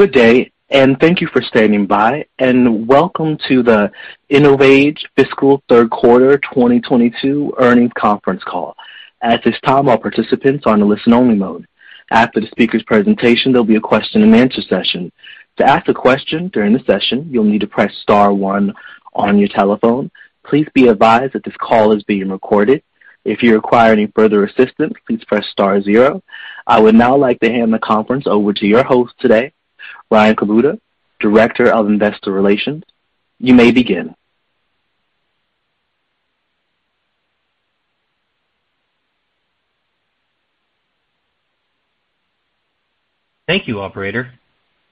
Good day, and thank you for standing by, and welcome to the InnovAge Fiscal Q3 of 2022 Earnings Conference Call. At this time, all participants are on a listen only mode. After the speaker's presentation, there'll be a question-and-answer session. To ask a question during the session, you'll need to press star 1 on your telephone. Please be advised that this call is being recorded. If you require any further assistance, please press star zero. I would now like to hand the conference over to your host today, Ryan Kubota, Director of Investor Relations. You may begin. Thank you, operator.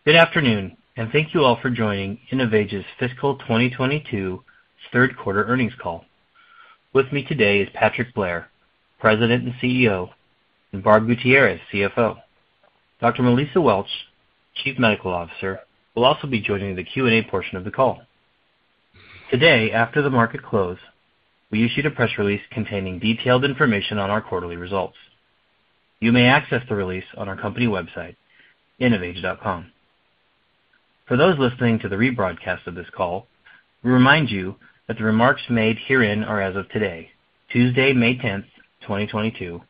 Good afternoon, and thank you all for joining InnovAge's fiscal 2022 Q3 earnings call. With me today is Patrick Blair, President and CEO, and Barb Gutierrez, CFO. Dr. Melissa Welch, Chief Medical Officer, will also be joining the Q&A portion of the call. Today, after the market close, we issued a press release containing detailed information on our quarterly results. You may access the release on our company website, innovage.com. For those listening to the rebroadcast of this call, we remind you that the remarks made herein are as of today, Tuesday, May 10, 2022,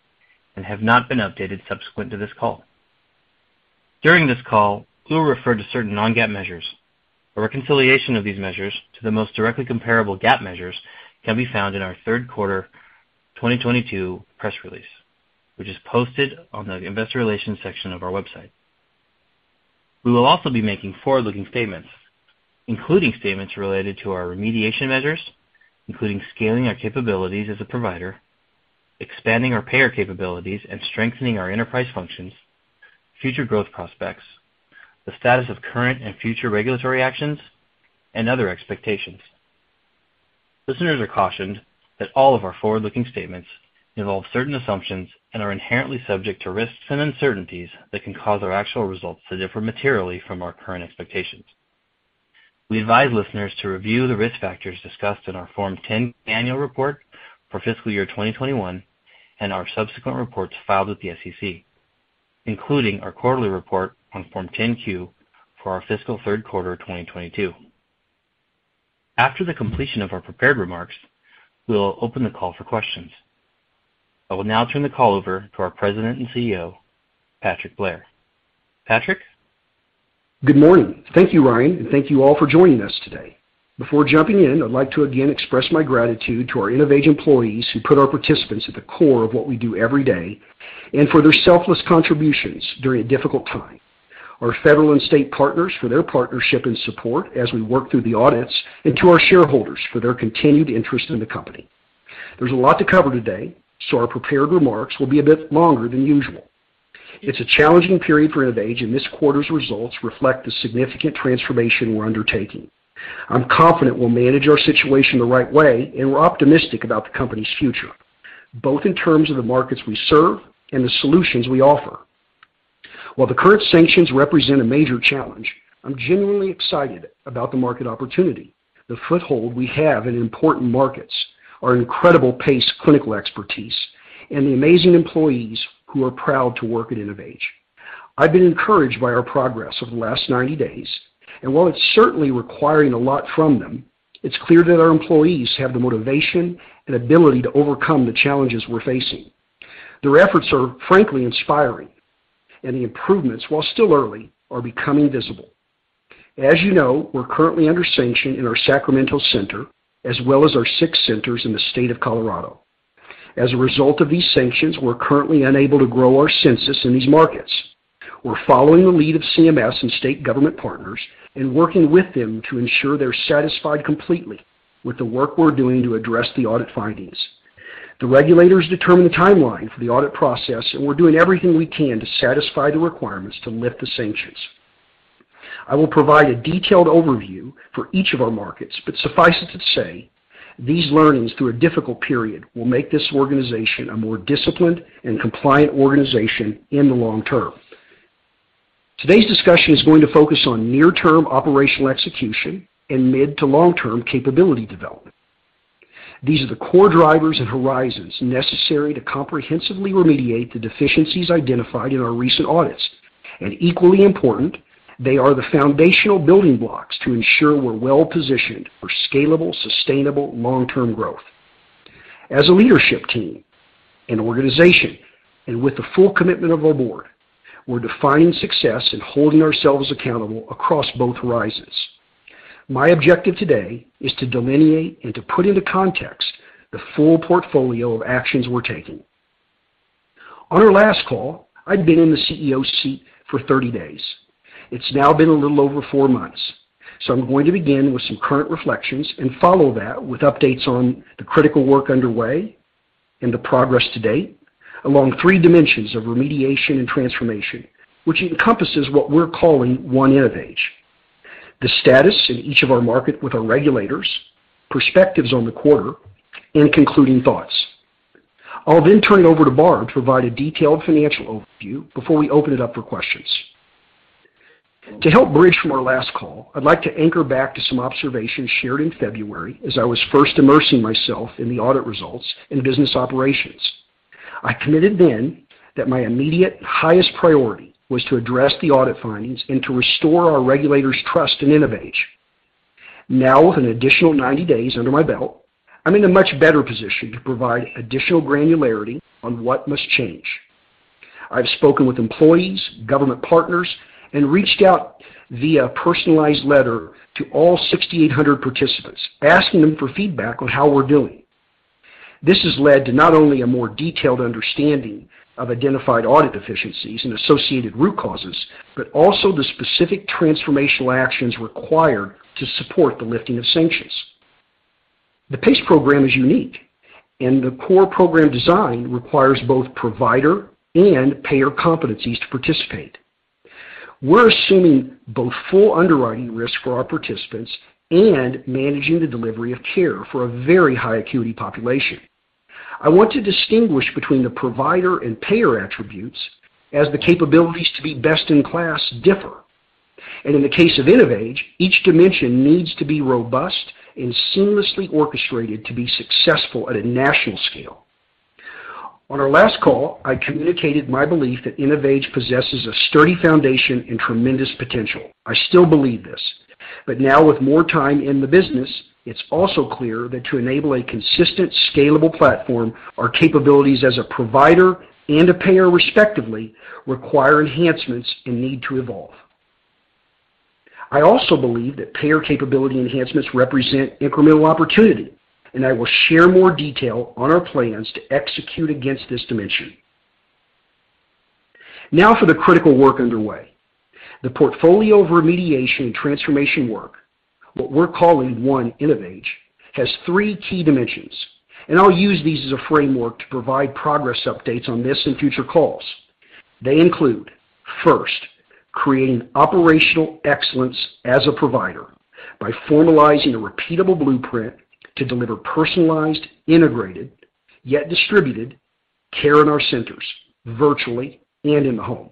and have not been updated subsequent to this call. During this call, we'll refer to certain non-GAAP measures. A reconciliation of these measures to the most directly comparable GAAP measures can be found in our Q3 of 2022 press release, which is posted on the investor relations section of our website. We will also be making forward-looking statements, including statements related to our remediation measures, including scaling our capabilities as a provider, expanding our payer capabilities, and strengthening our enterprise functions, future growth prospects, the status of current and future regulatory actions, and other expectations. Listeners are cautioned that all of our forward-looking statements involve certain assumptions and are inherently subject to risks and uncertainties that can cause our actual results to differ materially from our current expectations. We advise listeners to review the risk factors discussed in our Form 10-K for fiscal year 2021 and our subsequent reports filed with the SEC, including our quarterly report on Form 10-Q for our fiscalQ3 of 2022. After the completion of our prepared remarks, we will open the call for questions. I will now turn the call over to our President and CEO, Patrick Blair. Patrick? Good morning. Thank you, Ryan, and thank you all for joining us today. Before jumping in, I'd like to again express my gratitude to our InnovAge employees who put our participants at the core of what we do every day and for their selfless contributions during a difficult time. Our federal and state partners for their partnership and support as we work through the audits, and to our shareholders for their continued interest in the company. There's a lot to cover today, so our prepared remarks will be a bit longer than usual. It's a challenging period for InnovAge, and this quarter's results reflect the significant transformation we're undertaking. I'm confident we'll manage our situation the right way, and we're optimistic about the company's future, both in terms of the markets we serve and the solutions we offer. While the current sanctions represent a major challenge, I'm genuinely excited about the market opportunity, the foothold we have in important markets, our incredible PACE clinical expertise, and the amazing employees who are proud to work at InnovAge. I've been encouraged by our progress over the last 90 days, and while it's certainly requiring a lot from them, it's clear that our employees have the motivation and ability to overcome the challenges we're facing. Their efforts are frankly inspiring, and the improvements, while still early, are becoming visible. As you know, we're currently under sanction in our Sacramento Center, as well as our 6 centers in the state of Colorado. As a result of these sanctions, we're currently unable to grow our census in these markets. We're following the lead of CMS and state government partners and working with them to ensure they're satisfied completely with the work we're doing to address the audit findings. The regulators determine the timeline for the audit process, and we're doing everything we can to satisfy the requirements to lift the sanctions. I will provide a detailed overview for each of our markets, but suffice it to say, these learnings through a difficult period will make this organization a more disciplined and compliant organization in the long term. Today's discussion is going to focus on near term operational execution and mid to long-term capability development. These are the core drivers and horizons necessary to comprehensively remediate the deficiencies identified in our recent audits. Equally important, they are the foundational building blocks to ensure we're well positioned for scalable, sustainable, long-term growth. As a leadership team and organization, and with the full commitment of our board, we're defining success and holding ourselves accountable across both horizons. My objective today is to delineate and to put into context the full portfolio of actions we're taking. On our last call, I'd been in the CEO seat for 30 days. It's now been a little over 4 months. I'm going to begin with some current reflections and follow that with updates on the critical work underway and the progress to date along 3 dimensions of remediation and transformation, which encompasses what we're calling One InnovAge, the status in each of our markets with our regulators, perspectives on the quarter, and concluding thoughts. I'll then turn it over to Barb to provide a detailed financial overview before we open it up for questions. To help bridge from our last call, I'd like to anchor back to some observations shared in February as I was first immersing myself in the audit results and business operations. I committed then that my immediate highest priority was to address the audit findings and to restore our regulators' trust in InnovAge. Now, with an additional 90 days under my belt, I'm in a much better position to provide additional granularity on what must change. I've spoken with employees, government partners, and reached out via personalized letter to all 6,800 participants, asking them for feedback on how we're doing. This has led to not only a more detailed understanding of identified audit deficiencies and associated root causes, but also the specific transformational actions required to support the lifting of sanctions. The PACE program is unique, and the core program design requires both provider and payer competencies to participate. We're assuming both full underwriting risk for our participants and managing the delivery of care for a very high acuity population. I want to distinguish between the provider and payer attributes as the capabilities to be best in class differ. In the case of InnovAge, each dimension needs to be robust and seamlessly orchestrated to be successful at a national scale. On our last call, I communicated my belief that InnovAge possesses a sturdy foundation and tremendous potential. I still believe this, but now with more time in the business, it's also clear that to enable a consistent, scalable platform, our capabilities as a provider and a payer respectively require enhancements and need to evolve. I also believe that payer capability enhancements represent incremental opportunity, and I will share more detail on our plans to execute against this dimension. Now for the critical work underway. The portfolio of remediation and transformation work, what we're calling 1 InnovAge, has three key dimensions, and I'll use these as a framework to provide progress updates on this and future calls. They include, 1st, creating operational excellence as a provider by formalizing a repeatable blueprint to deliver personalized, integrated, yet distributed care in our centers virtually and in the home.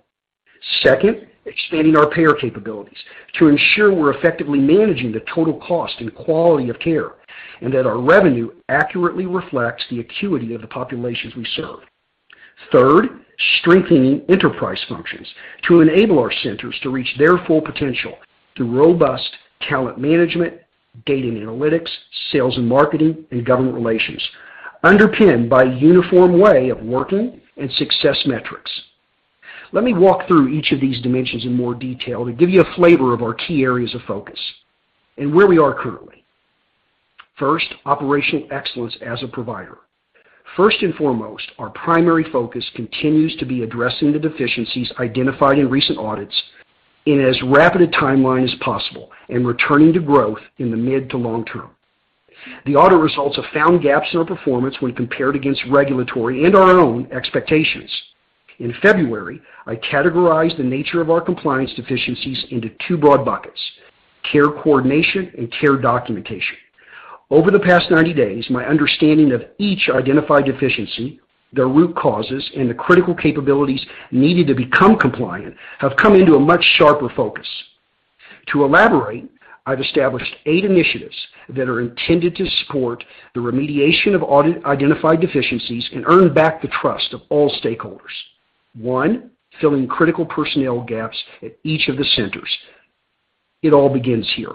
2nd, expanding our payer capabilities to ensure we're effectively managing the total cost and quality of care, and that our revenue accurately reflects the acuity of the populations we serve. 3rd, strengthening enterprise functions to enable our centers to reach their full potential through robust talent management, data and analytics, sales and marketing, and government relations, underpinned by a uniform way of working and success metrics. Let me walk through each of these dimensions in more detail to give you a flavor of our key areas of focus and where we are currently. 1st, operational excellence as a provider. First and foremost, our primary focus continues to be addressing the deficiencies identified in recent audits in as rapid a timeline as possible and returning to growth in the mid to long term. The audit results have found gaps in our performance when compared against regulatory and our own expectations. In February, I categorized the nature of our compliance deficiencies into two broad buckets, care coordination and care documentation. Over the past 90 days, my understanding of each identified deficiency, their root causes, and the critical capabilities needed to become compliant have come into a much sharper focus. To elaborate, I've established eight initiatives that are intended to support the remediation of audit identified deficiencies and earn back the trust of all stakeholders. 1, filling critical personnel gaps at each of the centers. It all begins here.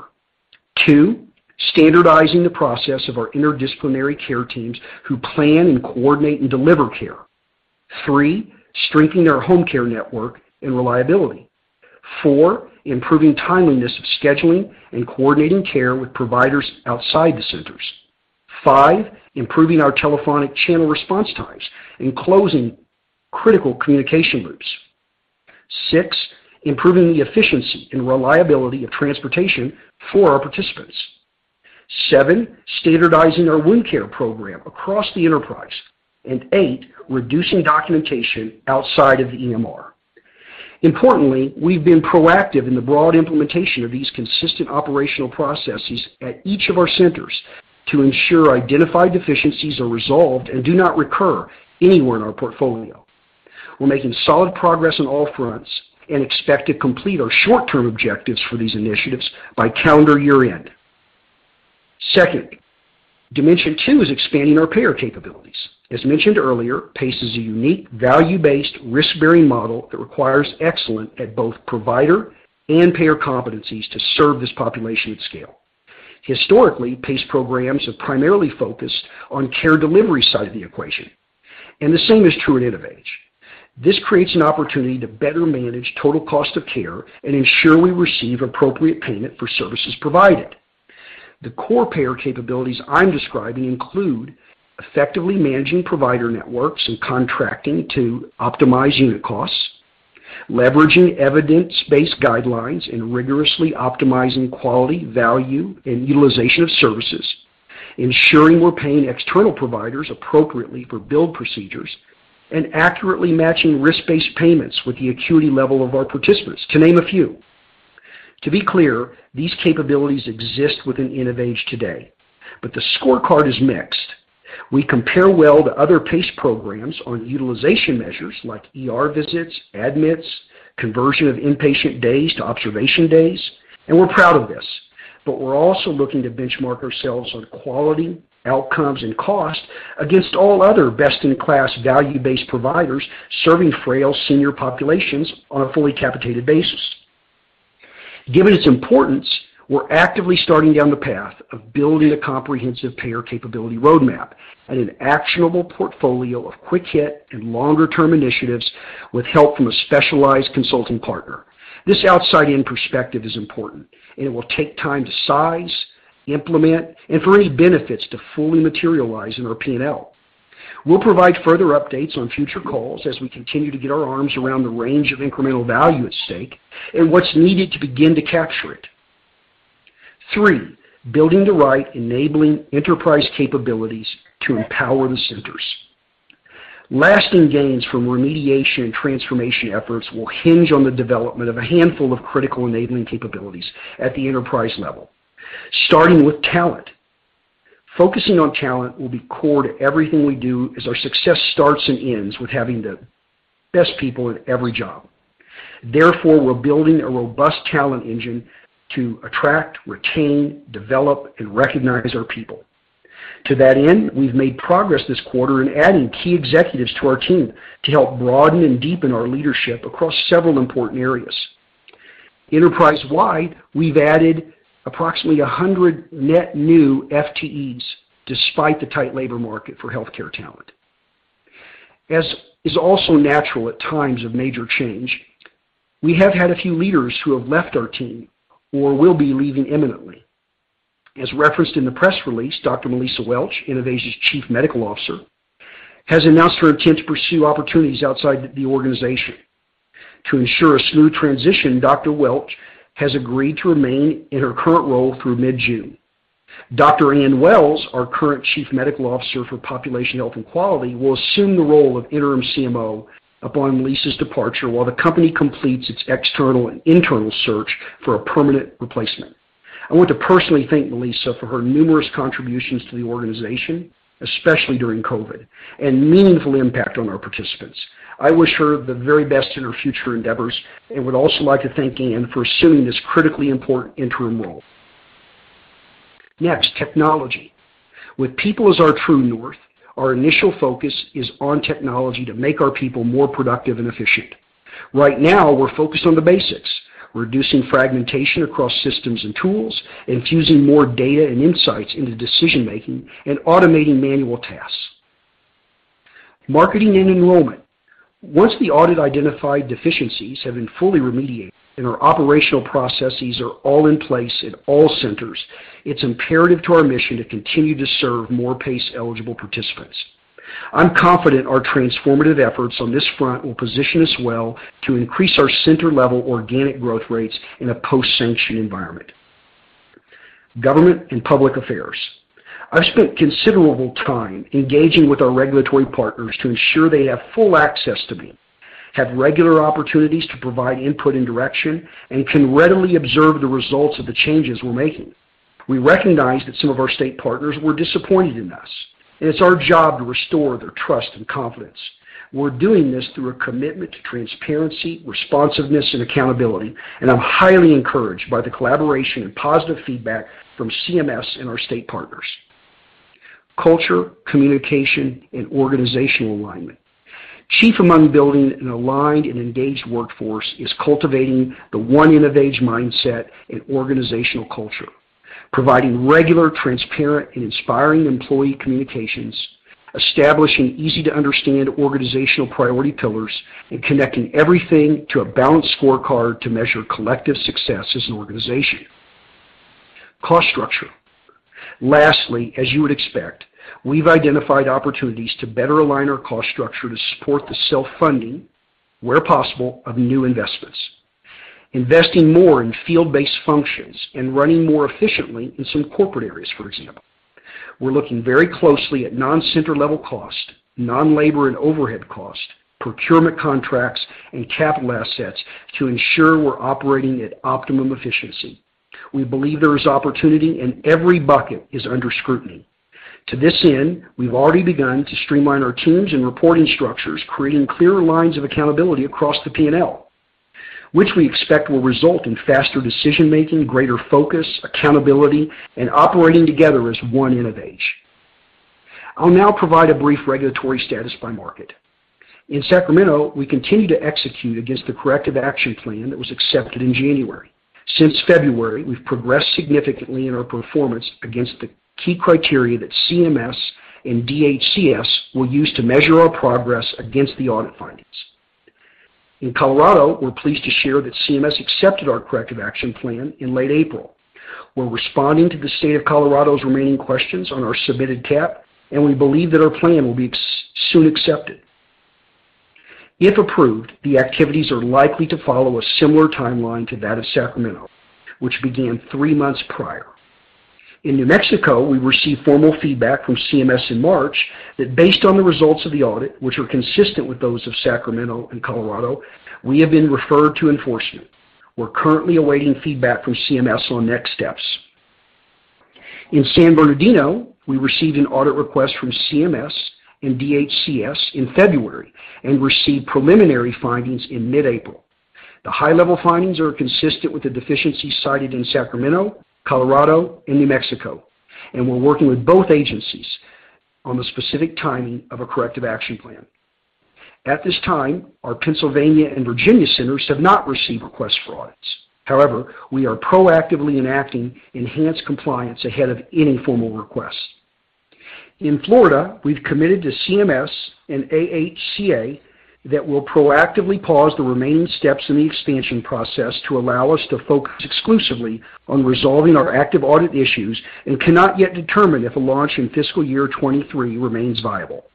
2, standardizing the process of our interdisciplinary care teams who plan and coordinate and deliver care. 3, strengthening our home care network and reliability. 4, improving timeliness of scheduling and coordinating care with providers outside the centers. 5, improving our telephonic channel response times and closing critical communication loops. 6, improving the efficiency and reliability of transportation for our participants. 7, standardizing our wound care program across the enterprise. And 8, reducing documentation outside of the EMR. Importantly, we've been proactive in the broad implementation of these consistent operational processes at each of our centers to ensure identified deficiencies are resolved and do not recur anywhere in our portfolio. We're making solid progress on all fronts and expect to complete our short-term objectives for these initiatives by calendar year-end. 2nd, dimension 2 is expanding our payer capabilities. As mentioned earlier, PACE is a unique value-based risk-bearing model that requires excellence at both provider and payer competencies to serve this population at scale. Historically, PACE programs have primarily focused on care delivery side of the equation, and the same is true at InnovAge. This creates an opportunity to better manage total cost of care and ensure we receive appropriate payment for services provided. The core payer capabilities I'm describing include effectively managing provider networks and contracting to optimize unit costs, leveraging evidence-based guidelines, and rigorously optimizing quality, value, and utilization of services, ensuring we're paying external providers appropriately for billed procedures, and accurately matching risk-based payments with the acuity level of our participants, to name a few. To be clear, these capabilities exist within InnovAge today, but the scorecard is mixed. We compare well to other PACE programs on utilization measures like ER visits, admits, conversion of inpatient days to observation days, and we're proud of this. We're also looking to benchmark ourselves on quality, outcomes, and cost against all other best-in-class value-based providers serving frail senior populations on a fully capitated basis. Given its importance, we're actively starting down the path of building a comprehensive payer capability roadmap and an actionable portfolio of quick hit and longer-term initiatives with help from a specialized consulting partner. This outside-in perspective is important, and it will take time to size, implement, and for any benefits to fully materialize in our P&L. We'll provide further updates on future calls as we continue to get our arms around the range of incremental value at stake and what's needed to begin to capture it. 3, building the right enabling enterprise capabilities to empower the centers. Lasting gains from remediation and transformation efforts will hinge on the development of a handful of critical enabling capabilities at the enterprise level, starting with talent. Focusing on talent will be core to everything we do as our success starts and ends with having the best people in every job. Therefore, we're building a robust talent engine to attract, retain, develop, and recognize our people. To that end, we've made progress this quarter in adding key executives to our team to help broaden and deepen our leadership across several important areas. Enterprise-wide, we've added approximately 100 net new FTEs despite the tight labor market for healthcare talent. As is also natural at times of major change, we have had a few leaders who have left our team or will be leaving imminently. As referenced in the press release, Dr. Melissa Welch, InnovAge's Chief Medical Officer, has announced her intent to pursue opportunities outside the organization. To ensure a smooth transition, Dr. Welch has agreed to remain in her current role through mid-June. Dr. Anne Wells, our current Chief Medical Officer for Population Health and Quality, will assume the role of Interim CMO upon Melissa's departure while the company completes its external and internal search for a permanent replacement. I want to personally thank Melissa for her numerous contributions to the organization, especially during COVID, and meaningful impact on our participants. I wish her the very best in her future endeavors and would also like to thank Anne for assuming this critically important interim role. Next, technology. With people as our true north, our initial focus is on technology to make our people more productive and efficient. Right now, we're focused on the basics, reducing fragmentation across systems and tools, infusing more data and insights into decision-making, and automating manual tasks. Marketing and enrollment. Once the audit-identified deficiencies have been fully remediated and our operational processes are all in place at all centers, it's imperative to our mission to continue to serve more PACE-eligible participants. I'm confident our transformative efforts on this front will position us well to increase our center-level organic growth rates in a post-sanction environment. Government and public affairs. I've spent considerable time engaging with our regulatory partners to ensure they have full access to me, have regular opportunities to provide input and direction, and can readily observe the results of the changes we're making. We recognize that some of our state partners were disappointed in us, and it's our job to restore their trust and confidence. We're doing this through a commitment to transparency, responsiveness, and accountability, and I'm highly encouraged by the collaboration and positive feedback from CMS and our state partners. Culture, communication, and organizational alignment. Chief among building an aligned and engaged workforce is cultivating the One InnovAge mindset and organizational culture, providing regular, transparent, and inspiring employee communications, establishing easy-to-understand organizational priority pillars, and connecting everything to a balanced scorecard to measure collective success as an organization. Cost structure. Lastly, as you would expect, we've identified opportunities to better align our cost structure to support the self-funding, where possible, of new investments, investing more in field-based functions and running more efficiently in some corporate areas, for example. We're looking very closely at non-center-level cost, non-labor and overhead cost, procurement contracts, and capital assets to ensure we're operating at optimum efficiency. We believe there is opportunity, and every bucket is under scrutiny. To this end, we've already begun to streamline our teams and reporting structures, creating clear lines of accountability across the P&L, which we expect will result in faster decision-making, greater focus, accountability, and operating together as one InnovAge. I'll now provide a brief regulatory status by market. In Sacramento, we continue to execute against the corrective action plan that was accepted in January. Since February, we've progressed significantly in our performance against the key criteria that CMS and DHCS will use to measure our progress against the audit findings. In Colorado, we're pleased to share that CMS accepted our corrective action plan in late April. We're responding to the state of Colorado's remaining questions on our submitted CAP, and we believe that our plan will be soon accepted. If approved, the activities are likely to follow a similar timeline to that of Sacramento, which began 3 months prior. In New Mexico, we received formal feedback from CMS in March that based on the results of the audit, which are consistent with those of Sacramento and Colorado, we have been referred to enforcement. We're currently awaiting feedback from CMS on next steps. In San Bernardino, we received an audit request from CMS and DHCS in February and received preliminary findings in mid-April. The high level findings are consistent with the deficiencies cited in Sacramento, Colorado, and New Mexico, and we're working with both agencies on the specific timing of a corrective action plan. At this time, our Pennsylvania and Virginia centers have not received requests for audits. However, we are proactively enacting enhanced compliance ahead of any formal request. In Florida, we've committed to CMS and AHCA that we'll proactively pause the remaining steps in the expansion process to allow us to focus exclusively on resolving our active audit issues and cannot yet determine if a launch in fiscal year 2023 remains viable.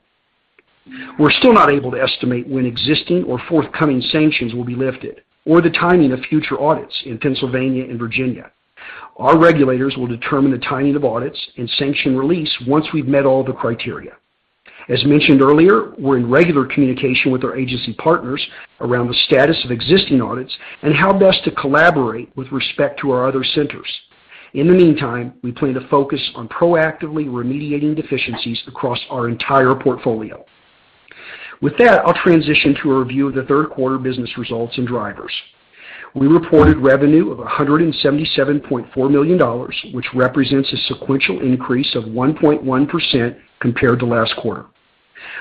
We're still not able to estimate when existing or forthcoming sanctions will be lifted or the timing of future audits in Pennsylvania and Virginia. Our regulators will determine the timing of audits and sanction release once we've met all the criteria. As mentioned earlier, we're in regular communication with our agency partners around the status of existing audits and how best to collaborate with respect to our other centers. In the meantime, we plan to focus on proactively remediating deficiencies across our entire portfolio. With that, I'll transition to a review of the Q3 business results and drivers. We reported revenue of $177.4 million, which represents a sequential increase of 1.1% compared to last quarter.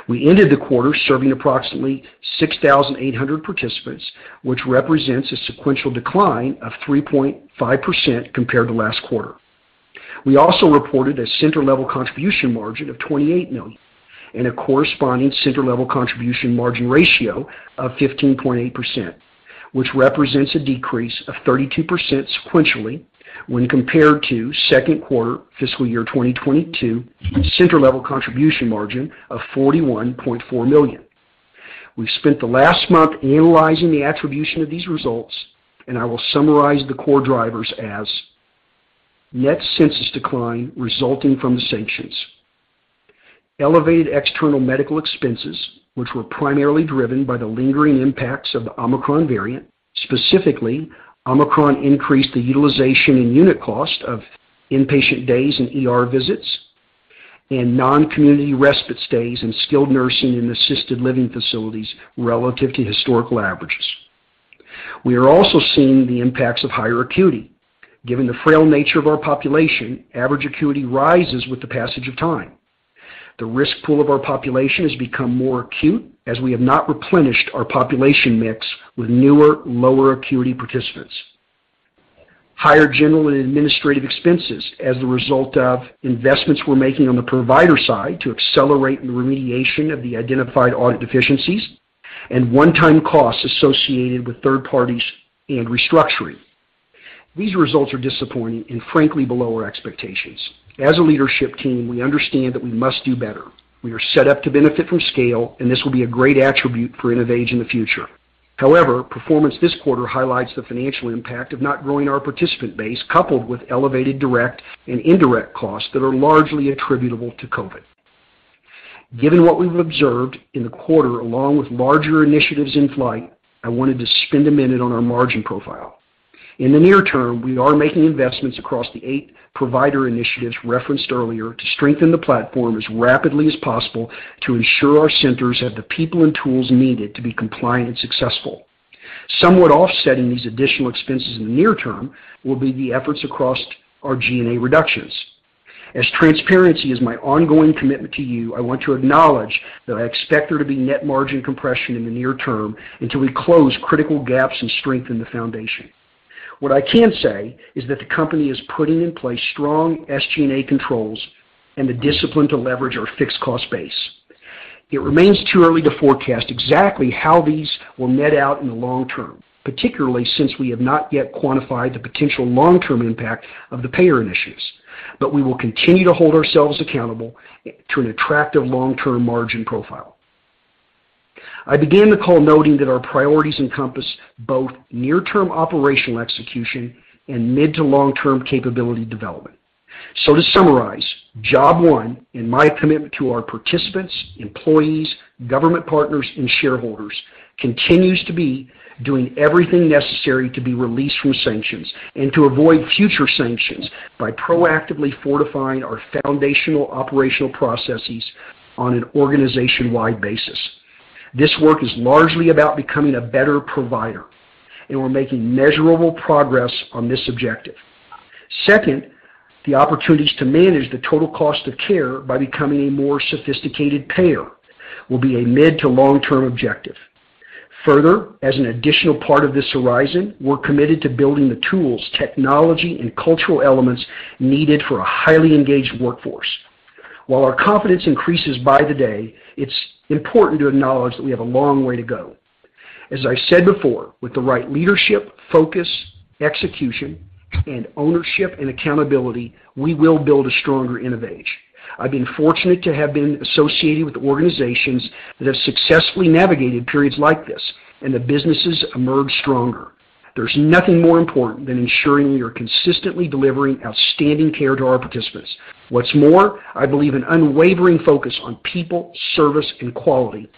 We ended the quarter serving approximately 6,800 participants, which represents a sequential decline of 3.5% compared to last quarter. We also reported a center level contribution margin of $28 million and a corresponding center level contribution margin ratio of 15.8%, which represents a decrease of 32% sequentially when compared to Q2 fiscal year 2022 center level contribution margin of $41.4 million. We've spent the last month analyzing the attribution of these results, and I will summarize the core drivers as net census decline resulting from the sanctions. Elevated external medical expenses, which were primarily driven by the lingering impacts of the Omicron variant. Specifically, Omicron increased the utilization and unit cost of inpatient days and ER visits, and non-community respite stays in skilled nursing and assisted living facilities relative to historical averages. We are also seeing the impacts of higher acuity. Given the frail nature of our population, average acuity rises with the passage of time. The risk pool of our population has become more acute as we have not replenished our population mix with newer, lower acuity participants. Higher general and administrative expenses as the result of investments we're making on the provider side to accelerate the remediation of the identified audit deficiencies and one-time costs associated with 3rd parties and restructuring. These results are disappointing and frankly below our expectations. As a leadership team, we understand that we must do better. We are set up to benefit from scale, and this will be a great attribute for InnovAge in the future. However, performance this quarter highlights the financial impact of not growing our participant base, coupled with elevated direct and indirect costs that are largely attributable to COVID. Given what we've observed in the quarter along with larger initiatives in flight, I wanted to spend a minute on our margin profile. In the near term, we are making investments across the eight provider initiatives referenced earlier to strengthen the platform as rapidly as possible to ensure our centers have the people and tools needed to be compliant and successful. Somewhat offsetting these additional expenses in the near term will be the efforts across our G&A reductions. As transparency is my ongoing commitment to you, I want to acknowledge that I expect there to be net margin compression in the near term until we close critical gaps and strengthen the foundation. What I can say is that the company is putting in place strong SG&A controls and the discipline to leverage our fixed cost base. It remains too early to forecast exactly how these will net out in the long term, particularly since we have not yet quantified the potential long-term impact of the payer initiatives. We will continue to hold ourselves accountable to an attractive long-term margin profile. I began the call noting that our priorities encompass both near term operational execution and mid to long-term capability development. To summarize, job one in my commitment to our participants, employees, government partners, and shareholders continues to be doing everything necessary to be released from sanctions and to avoid future sanctions by proactively fortifying our foundational operational processes on an organization-wide basis. This work is largely about becoming a better provider, and we're making measurable progress on this objective. 2nd, the opportunities to manage the total cost of care by becoming a more sophisticated payer will be a mid to long-term objective. Further, as an additional part of this horizon, we're committed to building the tools, technology, and cultural elements needed for a highly engaged workforce. While our confidence increases by the day, it's important to acknowledge that we have a long way to go. As I said before, with the right leadership, focus, execution, and ownership and accountability, we will build a stronger InnovAge. I've been fortunate to have been associated with organizations that have successfully navigated periods like this, and the businesses emerge stronger. There's nothing more important than ensuring we are consistently delivering outstanding care to our participants. What's more, I believe an unwavering focus on people, service, and quality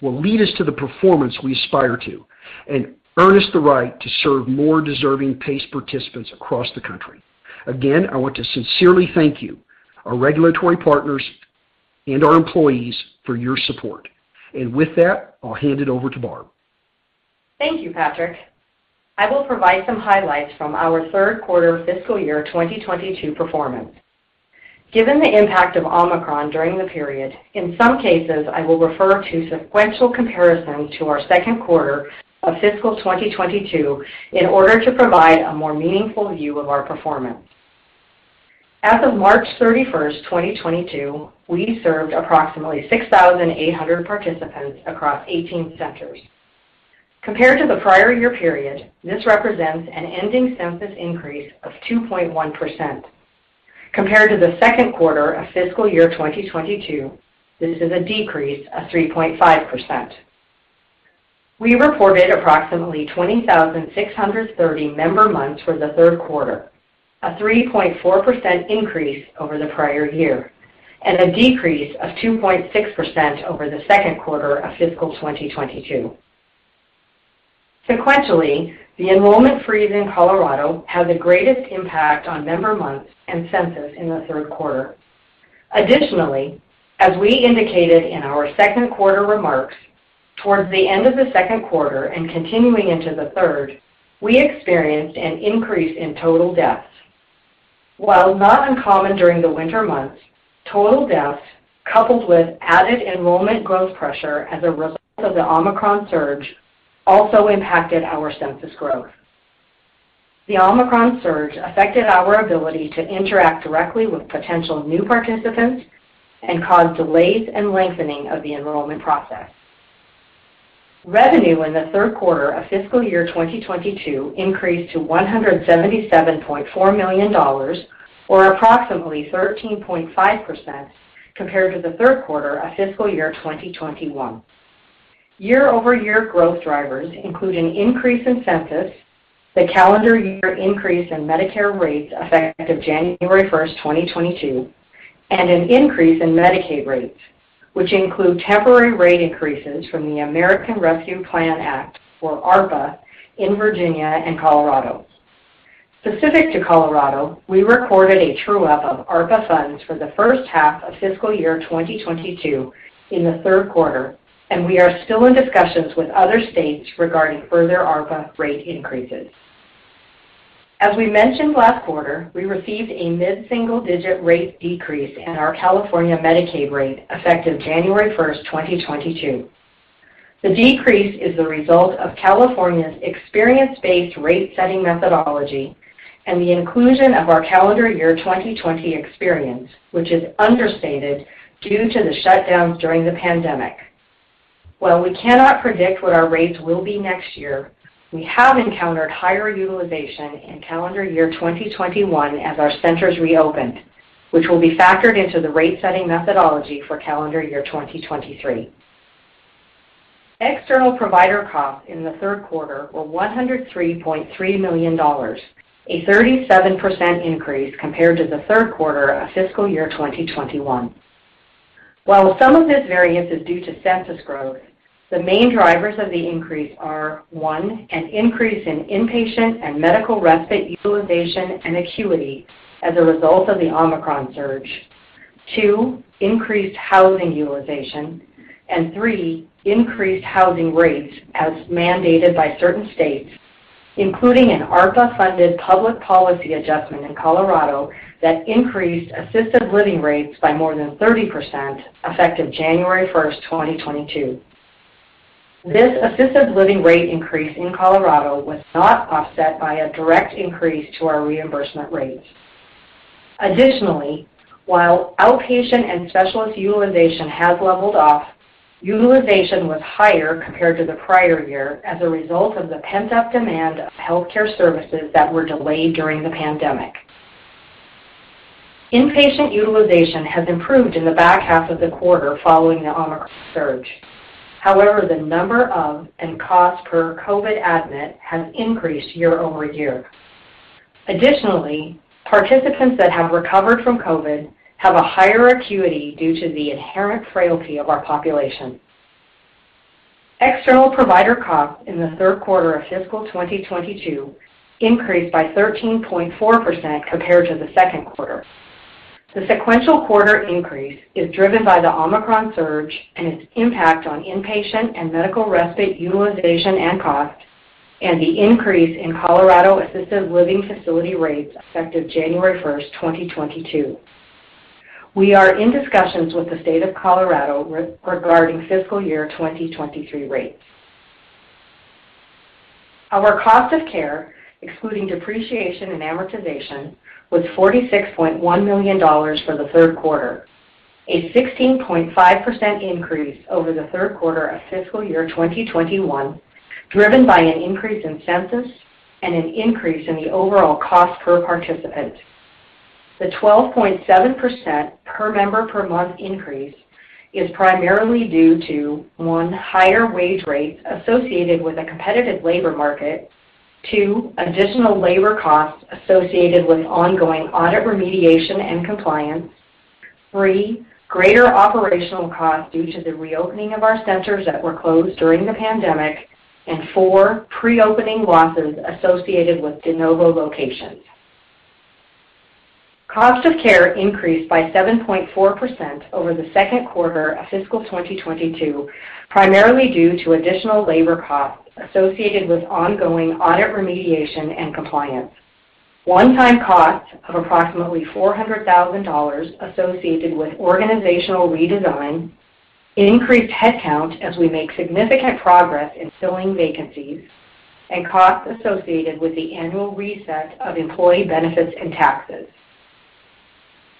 will lead us to the performance we aspire to and earn us the right to serve more deserving PACE participants across the country. Again, I want to sincerely thank you, our regulatory partners and our employees, for your support. With that, I'll hand it over to Barb. Thank you, Patrick. I will provide some highlights from our Q3 fiscal year 2022 performance. Given the impact of Omicron during the period, in some cases, I will refer to sequential comparison to our Q2 of fiscal 2022 in order to provide a more meaningful view of our performance. As of March 31, 2022, we served approximately 6,800 participants across 18 centers. Compared to the prior year period, this represents an ending census increase of 2.1%. Compared to the Q2 of fiscal year 2022, this is a decrease of 3.5%. We reported approximately 20,630 member months for the Q3, a 3.4% increase over the prior year and a decrease of 2.6% over the Q2 of fiscal 2022. Sequentially, the enrollment freeze in Colorado had the greatest impact on member months and census in the Q3. Additionally, as we indicated in our Q2 remarks, towards the end of the Q2 and continuing into the Q3, we experienced an increase in total deaths. While not uncommon during the winter months, total deaths, coupled with added enrollment growth pressure as a result of the Omicron surge, also impacted our census growth. The Omicron surge affected our ability to interact directly with potential new participants and caused delays and lengthening of the enrollment process. Revenue in the Q3 of fiscal year 2022 increased to $177.4 million, or approximately 13.5% compared to the Q3 of fiscal year 2021. Year-over-year growth drivers include an increase in census, the calendar year increase in Medicare rates effective January 1st, 2022, and an increase in Medicaid rates, which include temporary rate increases from the American Rescue Plan Act, or ARPA, in Virginia and Colorado. Specific to Colorado, we recorded a true-up of ARPA funds for the H1 of fiscal year 2022 in the Q3, and we are still in discussions with other states regarding further ARPA rate increases. As we mentioned last quarter, we received a mid-single-digit rate decrease in our California Medicaid rate effective January 1, 2022. The decrease is the result of California's experience-based rate setting methodology and the inclusion of our calendar year 2020 experience, which is understated due to the shutdowns during the pandemic. While we cannot predict what our rates will be next year, we have encountered higher utilization in calendar year 2021 as our centers reopened, which will be factored into the rate setting methodology for calendar year 2023. External provider costs in the Q3 were $103.3 million, a 37% increase compared to the Q3 of fiscal year 2021. While some of this variance is due to census growth, the main drivers of the increase are, 1, an increase in inpatient and medical respite utilization and acuity as a result of the Omicron surge, 2, increased housing utilization, and 3, increased housing rates as mandated by certain states, including an ARPA-funded public policy adjustment in Colorado that increased assisted living rates by more than 30% effective January 1st, 2022. This assisted living rate increase in Colorado was not offset by a direct increase to our reimbursement rates. Additionally, while outpatient and specialist utilization has leveled off, utilization was higher compared to the prior year as a result of the pent-up demand of healthcare services that were delayed during the pandemic. Inpatient utilization has improved in the back half of the quarter following the Omicron surge. However, the number of and cost per COVID admit has increased year-over-year. Additionally, participants that have recovered from COVID have a higher acuity due to the inherent frailty of our population. External provider costs in the Q3 of fiscal 2022 increased by 13.4% compared to the Q2. The sequential quarter increase is driven by the Omicron surge and its impact on inpatient and medical respite utilization and costs and the increase in Colorado assisted living facility rates effective January 1st, 2022. We are in discussions with the state of Colorado regarding fiscal year 2023 rates. Our cost of care, excluding depreciation and amortization, was $46.1 million for the Q3, a 16.5% increase over the Q3 of fiscal year 2021, driven by an increase in census and an increase in the overall cost per participant. The 12.7% per member per month increase is primarily due to, 1, higher wage rates associated with a competitive labor market. 2, additional labor costs associated with ongoing audit remediation and compliance. 3, greater operational costs due to the reopening of our centers that were closed during the pandemic. 4, pre-opening losses associated with de novo locations. Cost of care increased by 7.4% over the Q2 of fiscal 2022, primarily due to additional labor costs associated with ongoing audit remediation and compliance. One-time costs of approximately $400,000 associated with organizational redesign, increased headcount as we make significant progress in filling vacancies, and costs associated with the annual reset of employee benefits and taxes.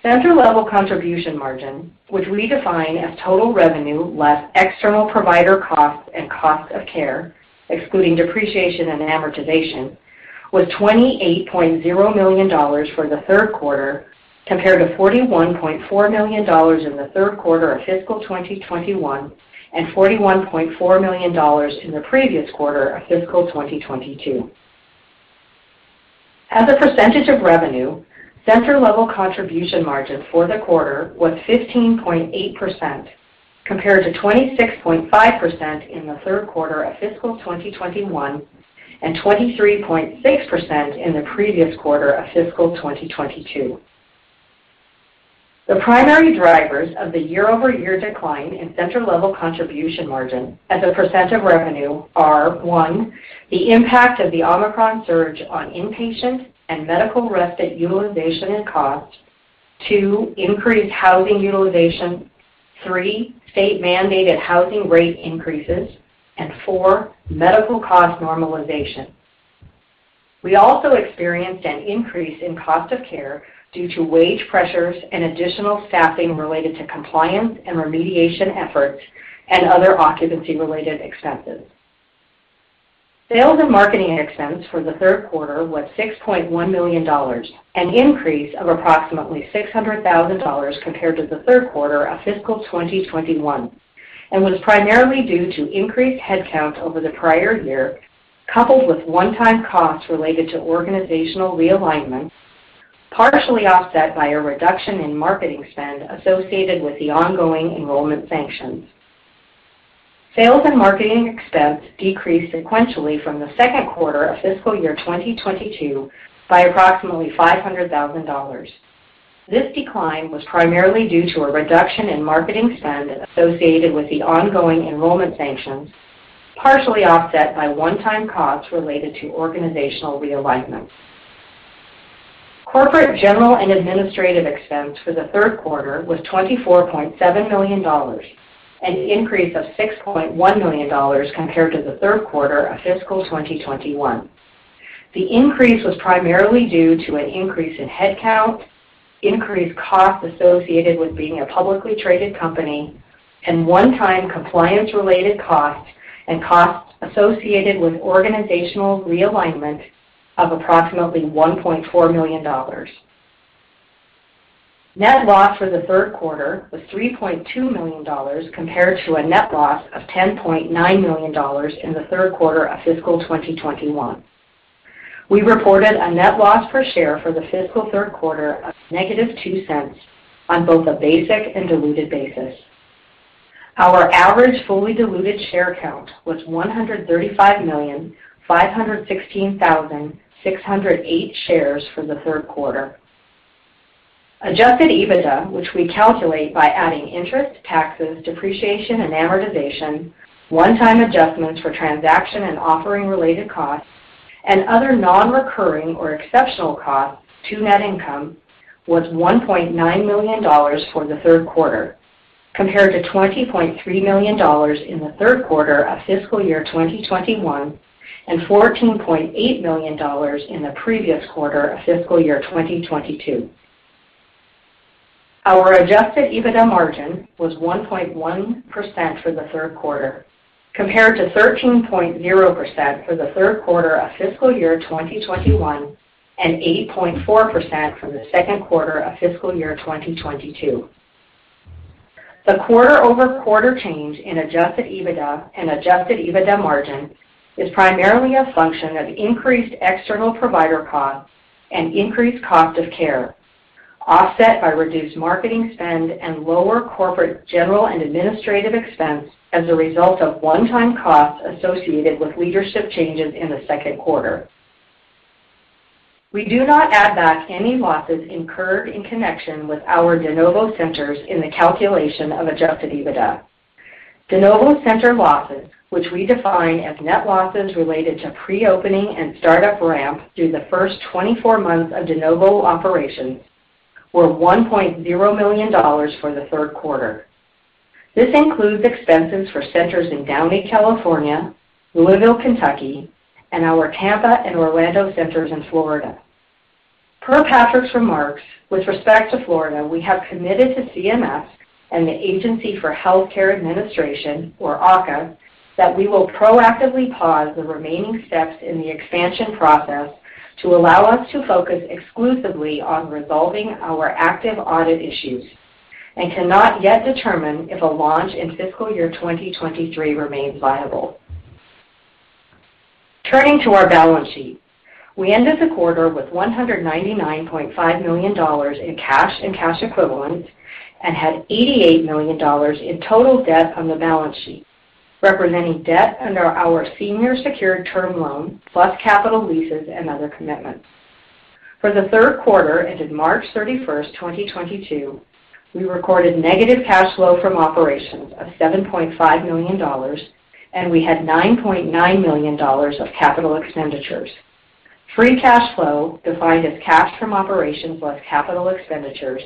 Center level contribution margin, which we define as total revenue less external provider costs and costs of care, excluding depreciation and amortization, was $28.0 million for the Q3, compared to $41.4 million in the Q3 of fiscal 2021 and $41.4 million in the previous quarter of fiscal 2022. As a percentage of revenue, center level contribution margin for the quarter was 15.8%, compared to 26.5% in the Q3 of fiscal 2021 and 23.6% in the previous quarter of fiscal 2022. The primary drivers of the year-over-year decline in center level contribution margin as a percent of revenue are, 1, the impact of the Omicron surge on inpatient and medical respite utilization and cost, 2, increased housing utilization, 3, state-mandated housing rate increases, and 4, medical cost normalization. We also experienced an increase in cost of care due to wage pressures and additional staffing related to compliance and remediation efforts and other occupancy-related expenses. Sales and marketing expense for the Q3 was $6.1 million, an increase of approximately $600 thousand compared to the Q3 of fiscal 2021, and was primarily due to increased headcount over the prior year, coupled with one-time costs related to organizational realignment, partially offset by a reduction in marketing spend associated with the ongoing enrollment sanctions. Sales and marketing expense decreased sequentially from the Q2 of fiscal year 2022 by approximately $500 thousand. This decline was primarily due to a reduction in marketing spend associated with the ongoing enrollment sanctions, partially offset by one-time costs related to organizational realignment. Corporate general and administrative expense for the Q3 was $24.7 million, an increase of $6.1 million compared to the Q3 of fiscal 2021. The increase was primarily due to an increase in headcount, increased costs associated with being a publicly traded company, and 1-time compliance-related costs and costs associated with organizational realignment of approximately $1.4 million. Net loss for the Q3 was $3.2 million compared to a net loss of $10.9 million in the Q3 of fiscal 2021. We reported a net loss per share for the fiscal Q3 of -$0.02 on both a basic and diluted basis. Our average fully diluted share count was 135,516,608 shares for the Q3. Adjusted EBITDA, which we calculate by adding interest, taxes, depreciation, and amortization, one-time adjustments for transaction and offering-related costs, and other non-recurring or exceptional costs to net income, was $1.9 million for the Q3, compared to $20.3 million in the Q3 of fiscal year 2021 and $14.8 million in the previous quarter of fiscal year 2022. Our adjusted EBITDA margin was 1.1% for the Q3, compared to 13.0% for the Q3 of fiscal year 2021 and 8.4% from the Q2 of fiscal year 2022. The quarter-over-quarter change in adjusted EBITDA and adjusted EBITDA margin is primarily a function of increased external provider costs and increased cost of care, offset by reduced marketing spend and lower corporate general and administrative expense as a result of one-time costs associated with leadership changes in the Q2. We do not add back any losses incurred in connection with our de novo centers in the calculation of adjusted EBITDA. De novo center losses, which we define as net losses related to pre-opening and startup ramp through the first 24 months of de novo operations, were $1.0 million for the Q3. This includes expenses for centers in Downey, California, Louisville, Kentucky, and our Tampa and Orlando centers in Florida. Per Patrick's remarks, with respect to Florida, we have committed to CMS and the Agency for Health Care Administration, or AHCA, that we will proactively pause the remaining steps in the expansion process to allow us to focus exclusively on resolving our active audit issues, and cannot yet determine if a launch in fiscal year 2023 remains viable. Turning to our balance sheet. We ended the quarter with $199.5 million in cash and cash equivalents and had $88 million in total debt on the balance sheet, representing debt under our senior secured term loan, plus capital leases and other commitments. For the Q3 ended March 31, 2022, we recorded negative cash flow from operations of $7.5 million, and we had $9.9 million of capital expenditures. Free cash flow, defined as cash from operations plus capital expenditures,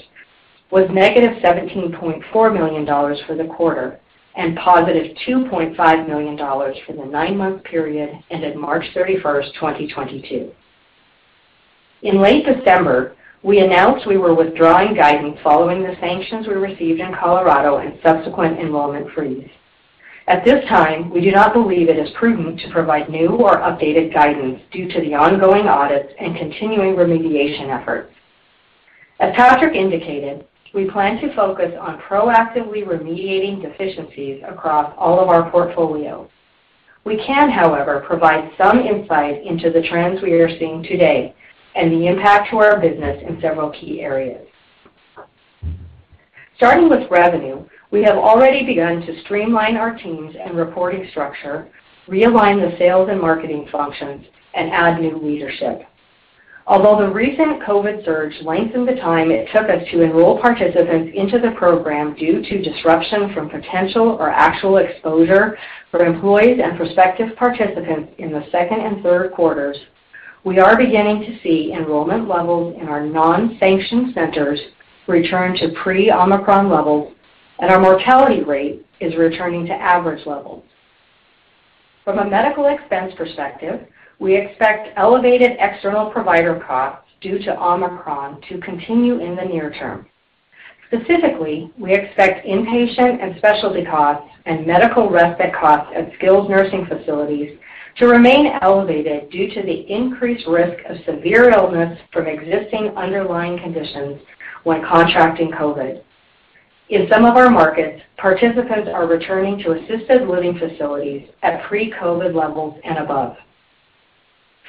was negative $17.4 million for the quarter and positive $2.5 million for the nine-month period ended March 31, 2022. In late December, we announced we were withdrawing guidance following the sanctions we received in Colorado and subsequent enrollment freeze. At this time, we do not believe it is prudent to provide new or updated guidance due to the ongoing audits and continuing remediation efforts. As Patrick indicated, we plan to focus on proactively remediating deficiencies across all of our portfolios. We can, however, provide some insight into the trends we are seeing today and the impact to our business in several key areas. Starting with revenue, we have already begun to streamline our teams and reporting structure, realign the sales and marketing functions, and add new leadership. Although the recent COVID surge lengthened the time it took us to enroll participants into the program due to disruption from potential or actual exposure for employees and prospective participants in the Q2 and Q3, we are beginning to see enrollment levels in our non-sanctioned centers return to pre-Omicron levels, and our mortality rate is returning to average levels. From a medical expense perspective, we expect elevated external provider costs due to Omicron to continue in the near term. Specifically, we expect inpatient and specialty costs and medical respite costs at skilled nursing facilities to remain elevated due to the increased risk of severe illness from existing underlying conditions when contracting COVID. In some of our markets, participants are returning to assisted living facilities at pre-COVID levels and above.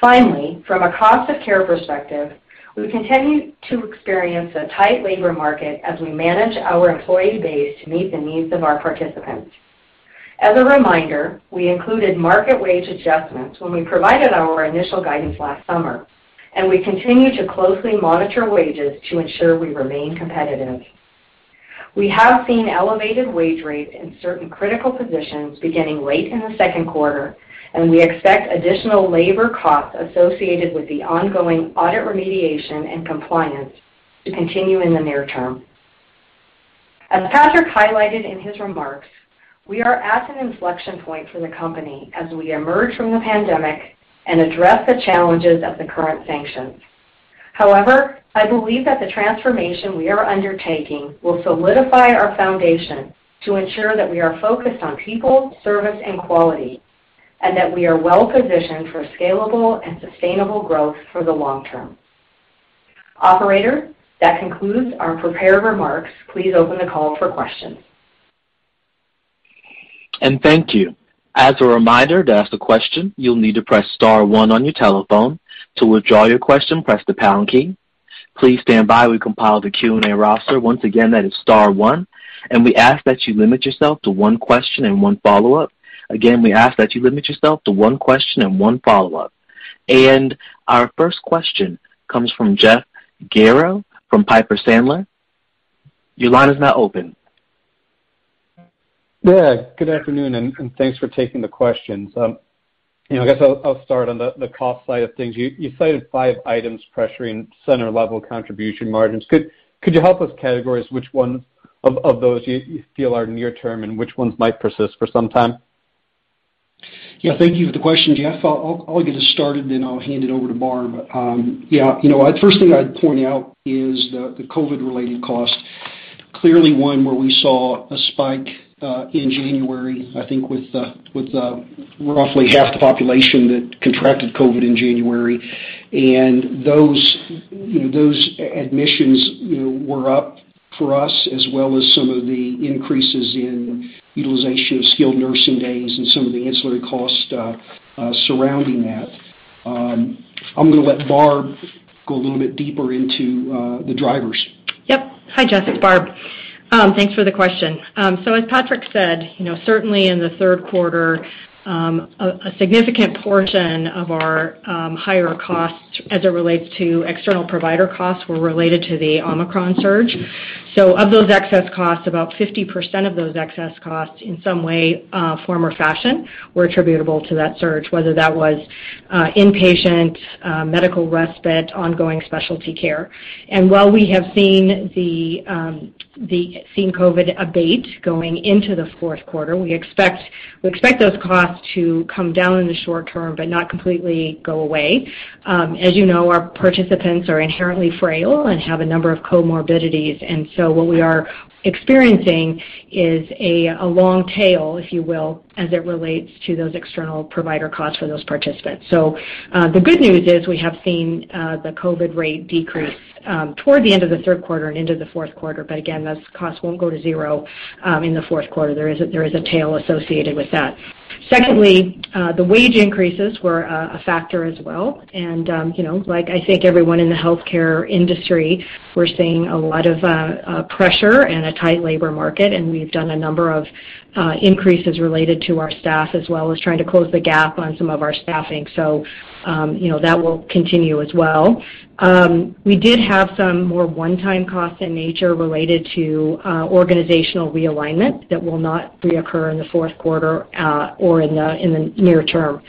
Finally, from a cost of care perspective, we continue to experience a tight labor market as we manage our employee base to meet the needs of our participants. As a reminder, we included market wage adjustments when we provided our initial guidance last summer, and we continue to closely monitor wages to ensure we remain competitive. We have seen elevated wage rates in certain critical positions beginning late in the Q2, and we expect additional labor costs associated with the ongoing audit remediation and compliance to continue in the near term. As Patrick highlighted in his remarks, we are at an inflection point for the company as we emerge from the pandemic and address the challenges of the current sanctions. However, I believe that the transformation we are undertaking will solidify our foundation to ensure that we are focused on people, service, and quality, and that we are well-positioned for scalable and sustainable growth for the long term. Operator, that concludes our prepared remarks. Please open the call for questions. Thank you. As a reminder, to ask a question, you'll need to press star 1 on your telephone. To withdraw your question, press the pound key. Please stand by. We compiled a Q&A roster. Once again, that is star one. We ask that you limit yourself to one question and one follow-up. Again, we ask that you limit yourself to one question and one follow-up. Our first question comes from Jeff Garro from Piper Sandler. Your line is now open. Yeah, good afternoon, thanks for taking the questions. You know, I guess I'll start on the cost side of things. You cited 5 items pressuring center level contribution margins. Could you help us categorize which one of those you feel are near term and which ones might persist for some time? Yeah, thank you for the question, Jeff. I'll get us started, then I'll hand it over to Barb. First thing I'd point out is the COVID-related cost. Clearly one where we saw a spike in January, I think with roughly half the population that contracted COVID in January. Those, you know, admissions, you know, were up for us, as well as some of the increases in utilization of skilled nursing days and some of the ancillary costs surrounding that. I'm going let Barb go a little bit deeper into the drivers. Yep. Hi, Jeff Garro, it's Barb Gutierrez. Thanks for the question. As Patrick Blair said, you know, certainly in the Q3, a significant portion of our higher costs as it relates to external provider costs were related to the Omicron surge. Of those excess costs, about 50% of those excess costs in some way, form, or fashion were attributable to that surge, whether that was inpatient, medical respite, ongoing specialty care. While we have seen COVID abate going into the Q4, we expect those costs to come down in the short term but not completely go away. As you know, our participants are inherently frail and have a number of comorbidities. What we are experiencing is a long tail, if you will, as it relates to those external provider costs for those participants. The good news is we have seen the COVID rate decrease toward the end of the Q3 and into the Q4. Again, those costs won't go to zero in the Q4. There is a tail associated with that. Secondly, the wage increases were a factor as well. You know, like, I think everyone in the healthcare industry, we're seeing a lot of pressure and a tight labor market, and we've done a number of increases related to our staff, as well as trying to close the gap on some of our staffing. You know, that will continue as well. We did have some more one-time costs in nature related to organizational realignment that will not reoccur in the Q4 or in the near term.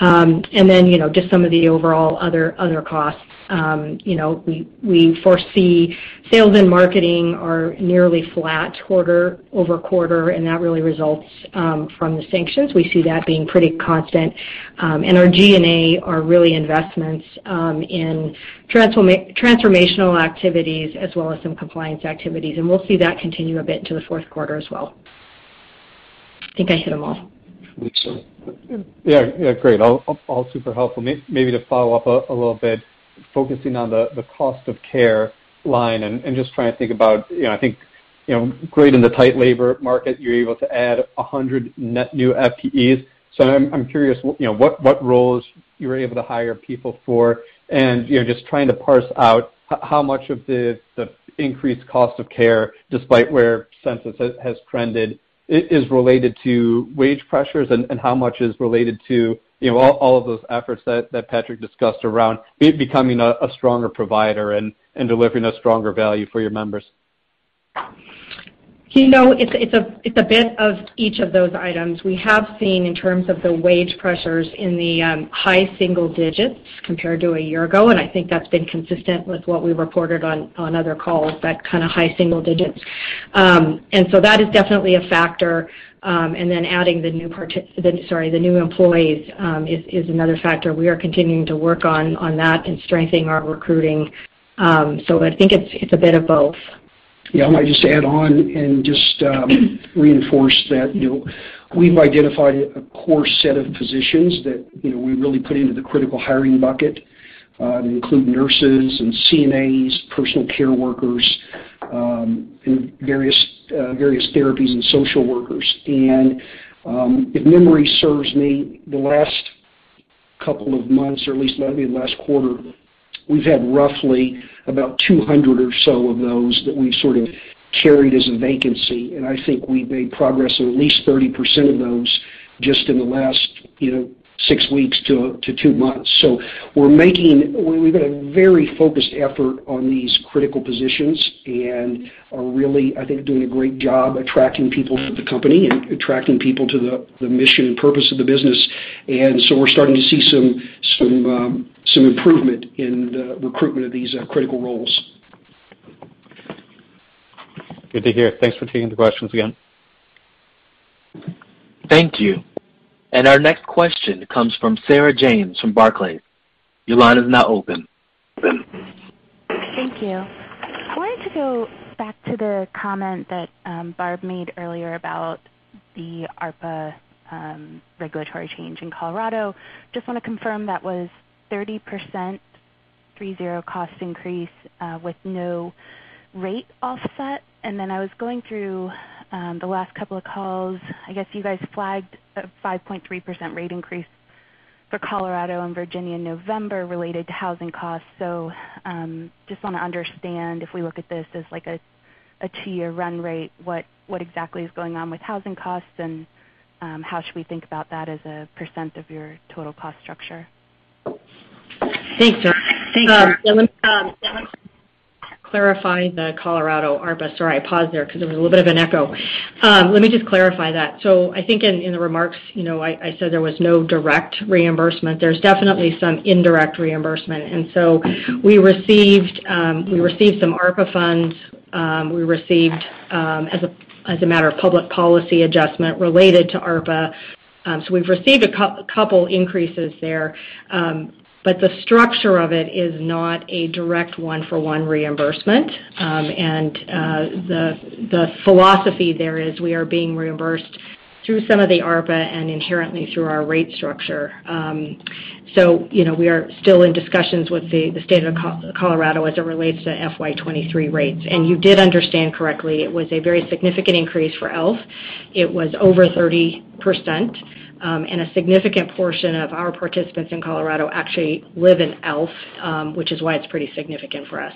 You know, just some of the overall other costs. You know, we foresee sales and marketing are nearly flat quarter-over-quarter, and that really results from the seasonality. We see that being pretty constant. Our G&A are really investments in transformational activities as well as some compliance activities. We'll see that continue a bit into the Q4 as well. I think I hit them all. I think so. Yeah. Yeah. Great. All super helpful. Maybe to follow up a little bit, focusing on the cost of care line and just trying to think about, you know, I think, you know, great in the tight labor market, you're able to add 100 net new FTEs. So I'm curious, you know, what roles you were able to hire people for. You know, just trying to parse out how much of the increased cost of care, despite where census has trended, is related to wage pressures and how much is related to, you know, all of those efforts that Patrick discussed around becoming a stronger provider and delivering a stronger value for your members. You know, it's a bit of each of those items. We have seen in terms of the wage pressures in the high single digits% compared to a year ago, and I think that's been consistent with what we reported on other calls, that kind high single digits%. That is definitely a factor. Adding the new employees is another factor. We are continuing to work on that and strengthening our recruiting. I think it's a bit of both. Yeah. I might just add on and just reinforce that, you know, we've identified a core set of positions that, you know, we really put into the critical hiring bucket, including nurses and CNAs, personal care workers, and various therapies and social workers. If memory serves me, the last couple of months, or at least maybe the last quarter, we've had roughly about 200 or so of those that we sort of carried as a vacancy. I think we've made progress on at least 30% of those just in the last, you know, 6 weeks to two months. We've got a very focused effort on these critical positions and are really, I think, doing a great job attracting people to the company and attracting people to the mission and purpose of the business. We're starting to see some improvement in the recruitment of these critical roles. Good to hear. Thanks for taking the questions again. Thank you. Our next question comes from Sarah James from Barclays. Your line is now open. Thank you. I wanted to go back to the comment that Barb made earlier about the ARPA regulatory change in Colorado. Just wanna confirm that was 30%, 30 cost increase with no rate offset. Then I was going through the last couple of calls. I guess you guys flagged a 5.3% rate increase for Colorado and Virginia in November related to housing costs. Just wanna understand, if we look at this as like a 2 year run rate, what exactly is going on with housing costs, and how should we think about that as a % of your total cost structure? Thanks, Sarah. Let me clarify the Colorado ARPA. Sorry, I paused there 'cause there was a little bit of an echo. Let me just clarify that. I think in the remarks, you know, I said there was no direct reimbursement. There's definitely some indirect reimbursement. We received some ARPA funds. We received as a matter of public policy adjustment related to ARPA. We've received a couple increases there. The structure of it is not a direct one-for-one reimbursement. The philosophy there is we are being reimbursed through some of the ARPA and inherently through our rate structure. You know, we are still in discussions with the state of Colorado as it relates to FY 2023 rates. You did understand correctly, it was a very significant increase for ELF. It was over 30%. A significant portion of our participants in Colorado actually live in ELF, which is why it's pretty significant for us.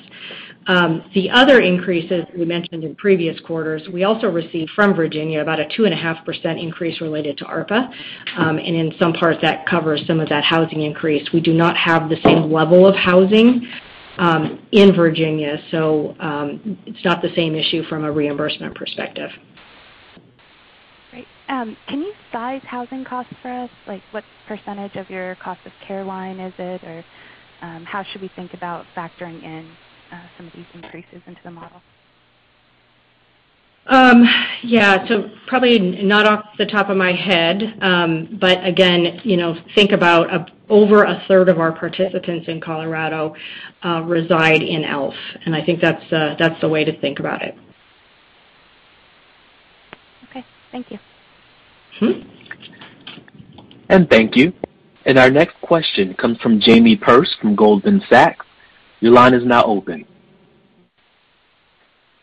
The other increases we mentioned in previous quarters, we also received from Virginia about a 2.5% increase related to ARPA. In some parts, that covers some of that housing increase. We do not have the same level of housing in Virginia, so it's not the same issue from a reimbursement perspective. Great. Can you size housing costs for us? Like what percentage of your cost of care line is it? Or, how should we think about factoring in some of these increases into the model? Probably not off the top of my head. Again, you know, think about over a 3rd of our participants in Colorado reside in ELF, and I think that's the way to think about it. Okay. Thank you. Mm-hmm. Thank you. Our next question comes from Jamie Perse from Goldman Sachs. Your line is now open.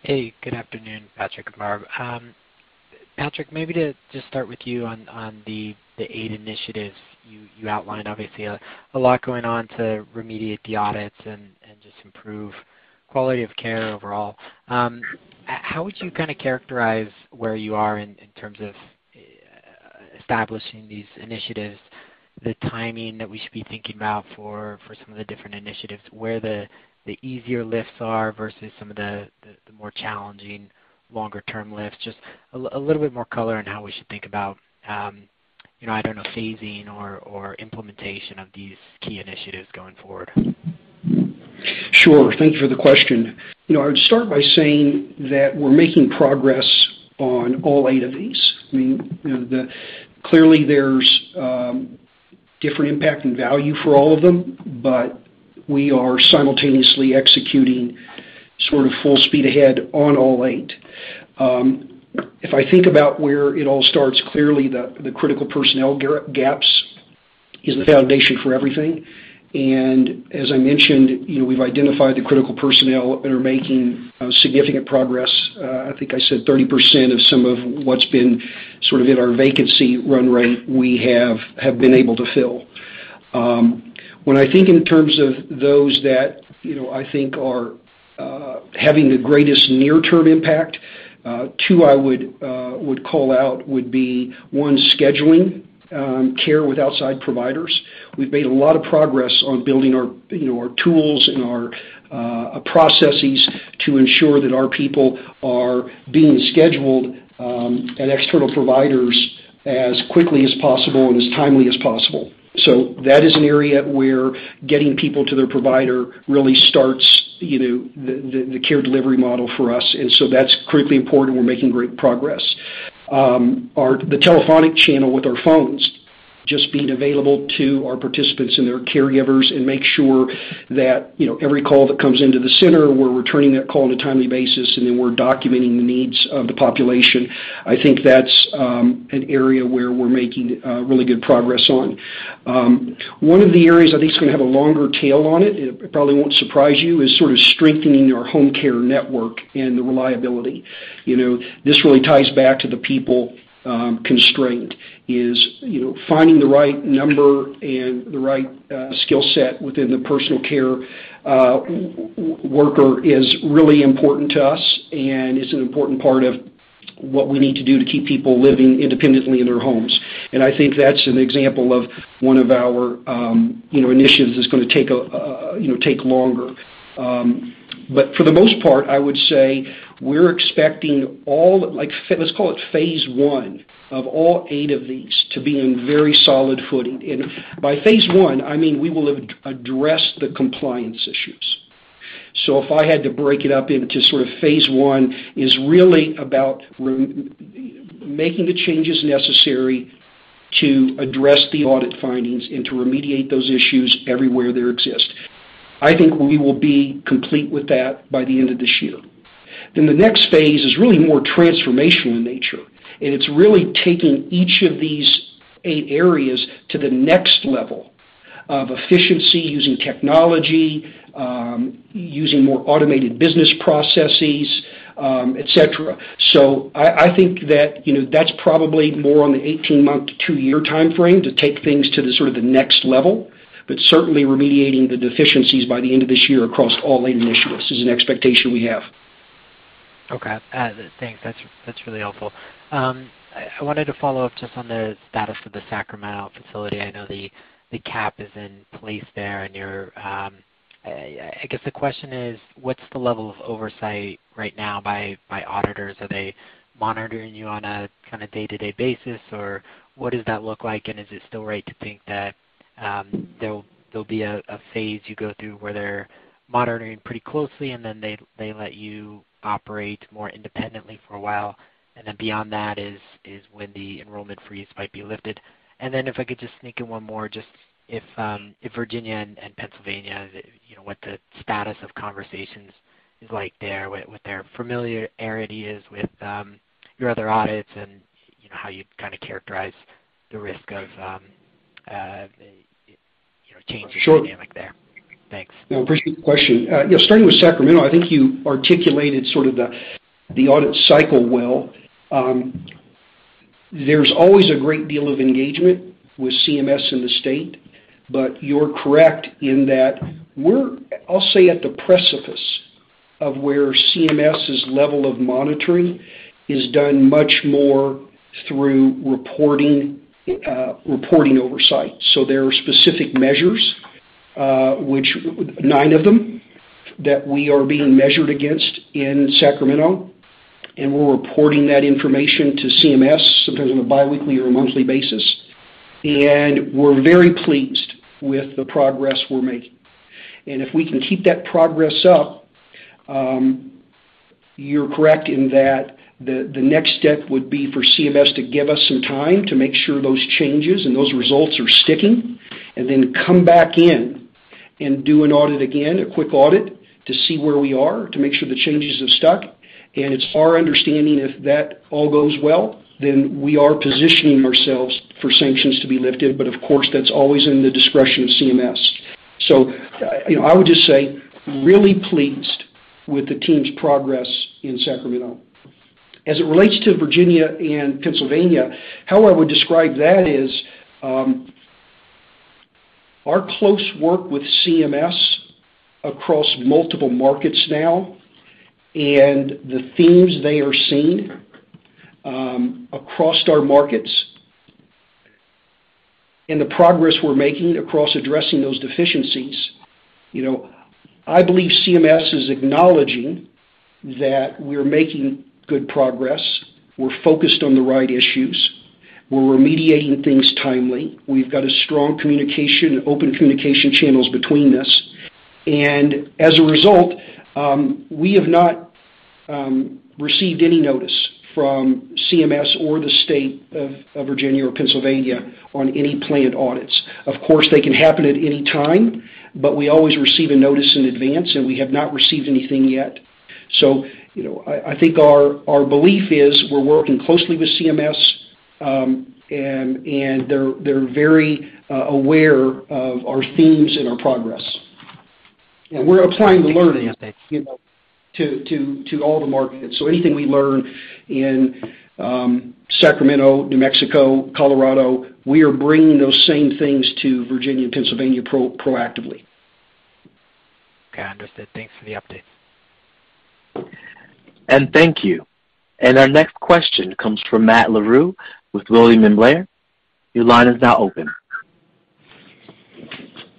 Hey, good afternoon, Patrick and Barb. Patrick, maybe to just start with you on the eight initiatives you outlined. Obviously a lot going on to remediate the audits and just improve quality of care overall. How would you kind of characterize where you are in terms of establishing these initiatives, the timing that we should be thinking about for some of the different initiatives? Where the easier lifts are versus some of the more challenging longer-term lifts? Just a little bit more color on how we should think about, you know, I don't know, phasing or implementation of these key initiatives going forward. Sure. Thank you for the question. You know, I would start by saying that we're making progress on all 8 of these. I mean, you know, clearly, there's different impact and value for all of them, but we are simultaneously executing sort of full speed ahead on all 8. If I think about where it all starts, clearly the critical personnel gaps is the foundation for everything. As I mentioned, you know, we've identified the critical personnel and are making significant progress. I think I said 30% of some of what's been sort of in our vacancy run rate, we have been able to fill. When I think in terms of those that, you know, I think are having the greatest near-term impact, 2, I would call out would be, one, scheduling care with outside providers. We've made a lot of progress on building our, you know, our tools and our processes to ensure that our people are being scheduled at external providers as quickly as possible and as timely as possible. That is an area where getting people to their provider really starts, you know, the care delivery model for us. That's critically important. We're making great progress. The telephonic channel with our phones just being available to our participants and their caregivers and make sure that, you know, every call that comes into the center, we're returning that call on a timely basis, and then we're documenting the needs of the population. I think that's an area where we're making really good progress on. One of the areas I think's going have a longer tail on it probably won't surprise you, is sort of strengthening our home care network and the reliability. You know, this really ties back to the people constraint, is, you know, finding the right number and the right skill set within the personal care worker is really important to us, and it's an important part of what we need to do to keep people living independently in their homes. I think that's an example of one of our, you know, initiatives that's going take longer. For the most part, I would say we're expecting all the, like, let's call it phase one of all eight of these to be in very solid footing. By phase one, I mean, we will have addressed the compliance issues. If I had to break it up into sort of phase one is really about making the changes necessary to address the audit findings and to remediate those issues everywhere they exist. I think we will be complete with that by the end of this year. The next phase is really more transformational in nature, and it's really taking each of these eight areas to the next level of efficiency using technology, using more automated business processes, et cetera. I think that, you know, that's probably more on the 18-month to 2-year timeframe to take things to sort of the next level. Certainly remediating the deficiencies by the end of this year across all eight initiatives is an expectation we have. Okay. Thanks. That's really helpful. I wanted to follow up just on the status of the Sacramento facility. I know the CAP is in place there, and you're I guess the question is, what's the level of oversight right now by auditors? Are they monitoring you on a kind of day-to-day basis, or what does that look like? Is it still right to think that there'll be a phase you go through where they're monitoring pretty closely and then they let you operate more independently for a while, and then beyond that is when the enrollment freeze might be lifted? If I could just sneak in one more, if Virginia and Pennsylvania, you know, what the status of conversations is like there, what their familiarity is with your other audits and, you know, how you'd kind of characterize the risk of, you know, changes? Sure. In dynamic there. Thanks. No, appreciate the question. Yeah, starting with Sacramento, I think you articulated sort of the audit cycle well. There's always a great deal of engagement with CMS in the state, but you're correct in that we're, I'll say, at the precipice of where CMS's level of monitoring is done much more through reporting oversight. There are specific measures, which nine of them that we are being measured against in Sacramento, and we're reporting that information to CMS sometimes on a biweekly or a monthly basis. We're very pleased with the progress we're making. If we can keep that progress up, you're correct in that the next step would be for CMS to give us some time to make sure those changes and those results are sticking and then come back in and do an audit again, a quick audit to see where we are, to make sure the changes have stuck. It's our understanding if that all goes well, then we are positioning ourselves for sanctions to be lifted. But of course, that's always in the discretion of CMS. You know, I would just say really pleased with the team's progress in Sacramento. As it relates to Virginia and Pennsylvania, how I would describe that is, our close work with CMS across multiple markets now and the themes they are seeing, across our markets and the progress we're making across addressing those deficiencies, you know, I believe CMS is acknowledging that we're making good progress. We're focused on the right issues. We're remediating things timely. We've got a strong, open communication channels between us. As a result, we have not received any notice from CMS or the state of Virginia or Pennsylvania on any planned audits. Of course, they can happen at any time, but we always receive a notice in advance, and we have not received anything yet. you know, I think our belief is we're working closely with CMS, and they're very aware of our themes and our progress. We're applying the learning, you know, to all the markets. Anything we learn in Sacramento, New Mexico, Colorado, we are bringing those same things to Virginia and Pennsylvania proactively. Okay, understood. Thanks for the update. Thank you. Our next question comes from Matt Larew with William Blair. Your line is now open.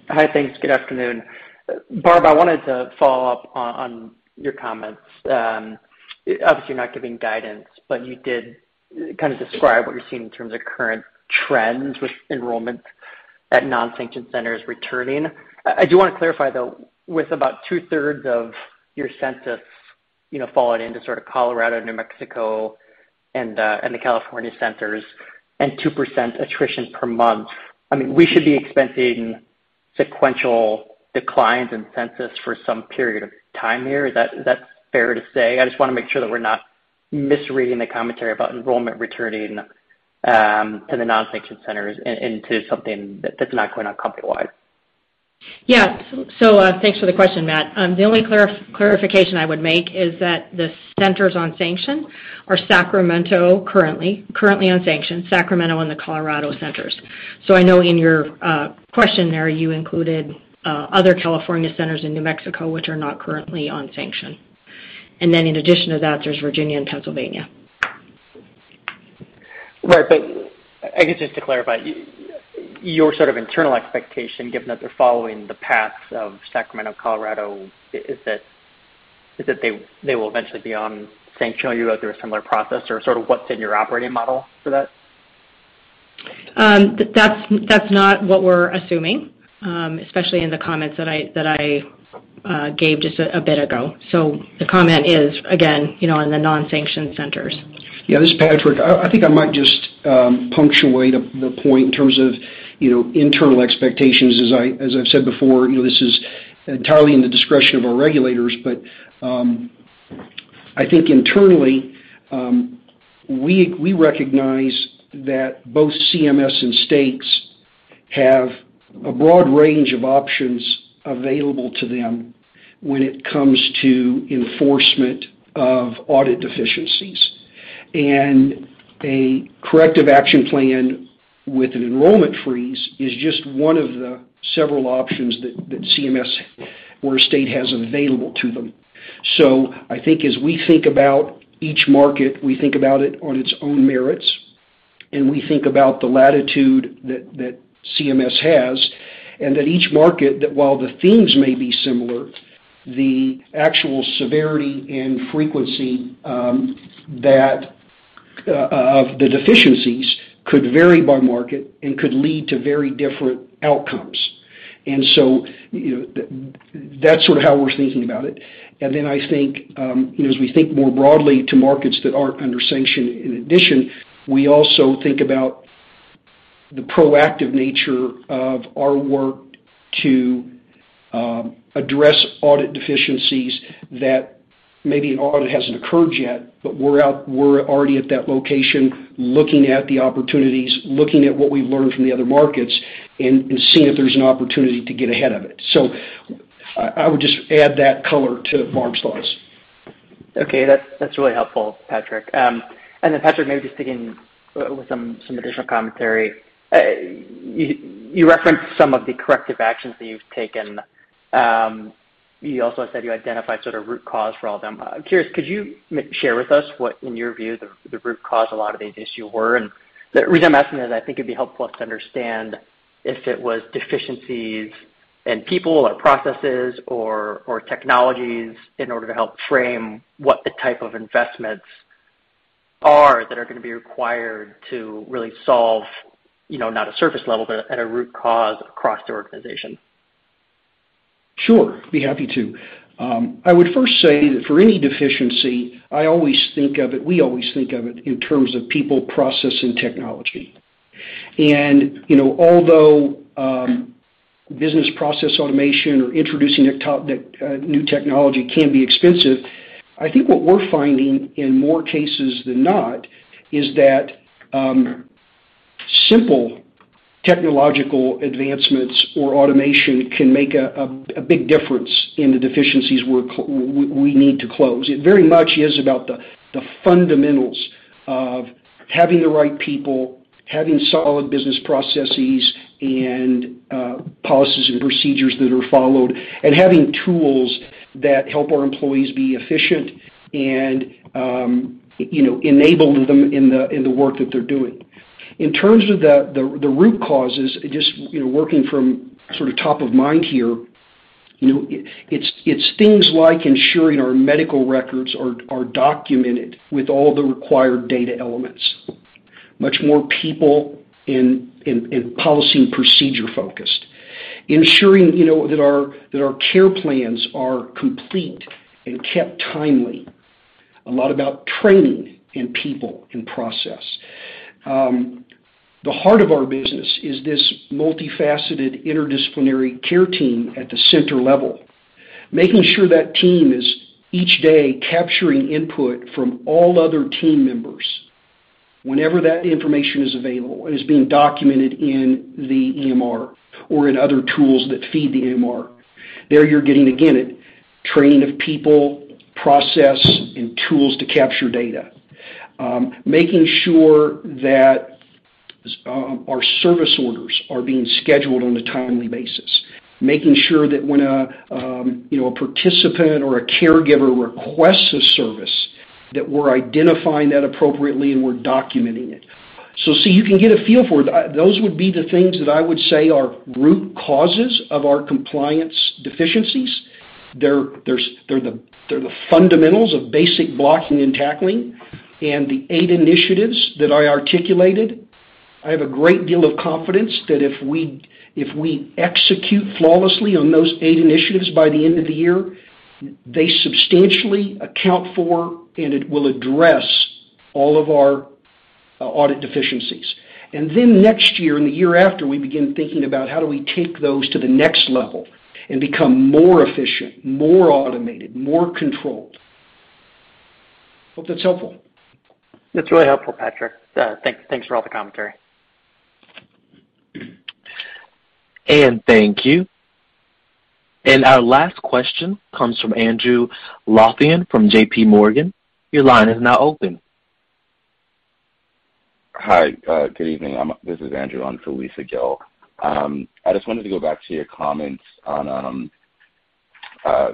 Hi. Thanks. Good afternoon. Barb, I wanted to follow up on your comments. Obviously, you're not giving guidance, but you did kind of describe what you're seeing in terms of current trends with enrollment at non-sanctioned centers returning. I do wanna clarify, though, with about two-thirds of your census, you know, falling into sort of Colorado, New Mexico, and the California centers and 2% attrition per month, I mean, we should be expecting sequential declines in census for some period of time here. Is that fair to say? I just wanna make sure that we're not misreading the commentary about enrollment returning to the non-sanctioned centers into something that's not going on company-wide. Yeah. Thanks for the question, Matt. The only clarification I would make is that the centers on sanction are Sacramento and the Colorado centers currently. I know in your question there, you included other California centers in New Mexico, which are not currently on sanction. Then in addition to that, there's Virginia and Pennsylvania. Right. I guess just to clarify, your sort of internal expectation, given that they're following the path of Sacramento, Colorado, is that they will eventually be sanctioned. You go through a similar process or sort of what's in your operating model for that? That's not what we're assuming, especially in the comments that I gave just a bit ago. The comment is, again, you know, on the non-sanctioned centers. Yeah. This is Patrick. I think I might just punctuate the point in terms of, you know, internal expectations. As I've said before, you know, this is entirely in the discretion of our regulators, but I think internally, we recognize that both CMS and states have a broad range of options available to them when it comes to enforcement of audit deficiencies. A corrective action plan with an enrollment freeze is just one of the several options that CMS or a state has available to them. I think as we think about each market, we think about it on its own merits, and we think about the latitude that CMS has. That each market that while the themes may be similar, the actual severity and frequency, that, of the deficiencies could vary by market and could lead to very different outcomes. You know, that's sort of how we're thinking about it. I think, you know, as we think more broadly to markets that aren't under sanction, in addition, we also think about the proactive nature of our work to address audit deficiencies that maybe an audit hasn't occurred yet, but we're already at that location looking at the opportunities, looking at what we've learned from the other markets and seeing if there's an opportunity to get ahead of it. I would just add that color to Barb's thoughts. Okay. That's really helpful, Patrick. Then Patrick, maybe just digging with some additional commentary. You referenced some of the corrective actions that you've taken. You also said you identified sort of root cause for all of them. I'm curious, could you share with us what in your view, the root cause a lot of these issues were? The reason I'm asking is I think it'd be helpful us to understand if it was deficiencies in people or processes or technologies in order to help frame what the type of investments are that are going be required to really solve, you know, not a surface level, but at a root cause across the organization. Sure. Be happy to. I would first say that for any deficiency, I always think of it, we always think of it in terms of people, process, and technology. You know, although business process automation or introducing the new technology can be expensive. I think what we're finding in more cases than not is that simple technological advancements or automation can make a big difference in the deficiencies we need to close. It very much is about the fundamentals of having the right people, having solid business processes and policies and procedures that are followed, and having tools that help our employees be efficient and you know, enable them in the work that they're doing. In terms of the root causes, just you know, working from sort of top of mind here, you know, it's things like ensuring our medical records are documented with all the required data elements. Much more people in policy and procedure-focused. Ensuring, you know, that our care plans are complete and kept timely. A lot about training and people and process. The heart of our business is this multifaceted interdisciplinary care team at the center level, making sure that team is each day capturing input from all other team members. Whenever that information is available, it is being documented in the EMR or in other tools that feed the EMR. There you're getting, again, a training of people, process, and tools to capture data. Making sure that our service orders are being scheduled on a timely basis. Making sure that when you know a participant or a caregiver requests a service, that we're identifying that appropriately and we're documenting it. You can get a feel for it. Those would be the things that I would say are root causes of our compliance deficiencies. They're the fundamentals of basic blocking and tackling. The eight initiatives that I articulated, I have a great deal of confidence that if we execute flawlessly on those eight initiatives by the end of the year, they substantially account for, and it will address all of our audit deficiencies. Next year and the year after, we begin thinking about how do we take those to the next level and become more efficient, more automated, more controlled. Hope that's helpful. That's really helpful, Patrick. Thanks for all the commentary. Thank you. Our last question comes from Andrew Lothian from JPMorgan. Your line is now open. This is Andrew. I'm for Lisa Gill. I just wanted to go back to your comments on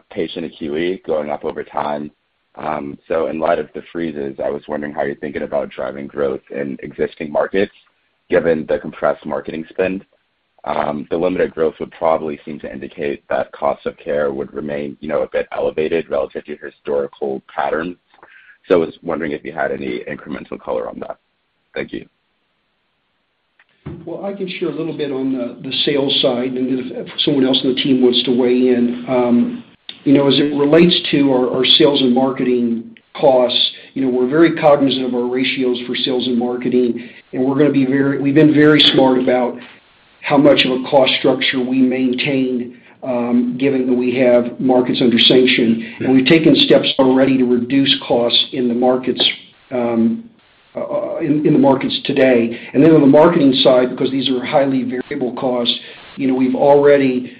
patient acuity going up over time. In light of the freezes, I was wondering how you're thinking about driving growth in existing markets, given the compressed marketing spend. The limited growth would probably seem to indicate that cost of care would remain, you know, a bit elevated relative to historical patterns. I was wondering if you had any incremental color on that. Thank you. Well, I can share a little bit on the sales side, and if someone else on the team wants to weigh in. You know, as it relates to our sales and marketing costs, you know, we're very cognizant of our ratios for sales and marketing, and we've been very smart about how much of a cost structure we maintain, given that we have markets under sanction. We've taken steps already to reduce costs in the markets today. Then on the marketing side, because these are highly variable costs, you know, we've already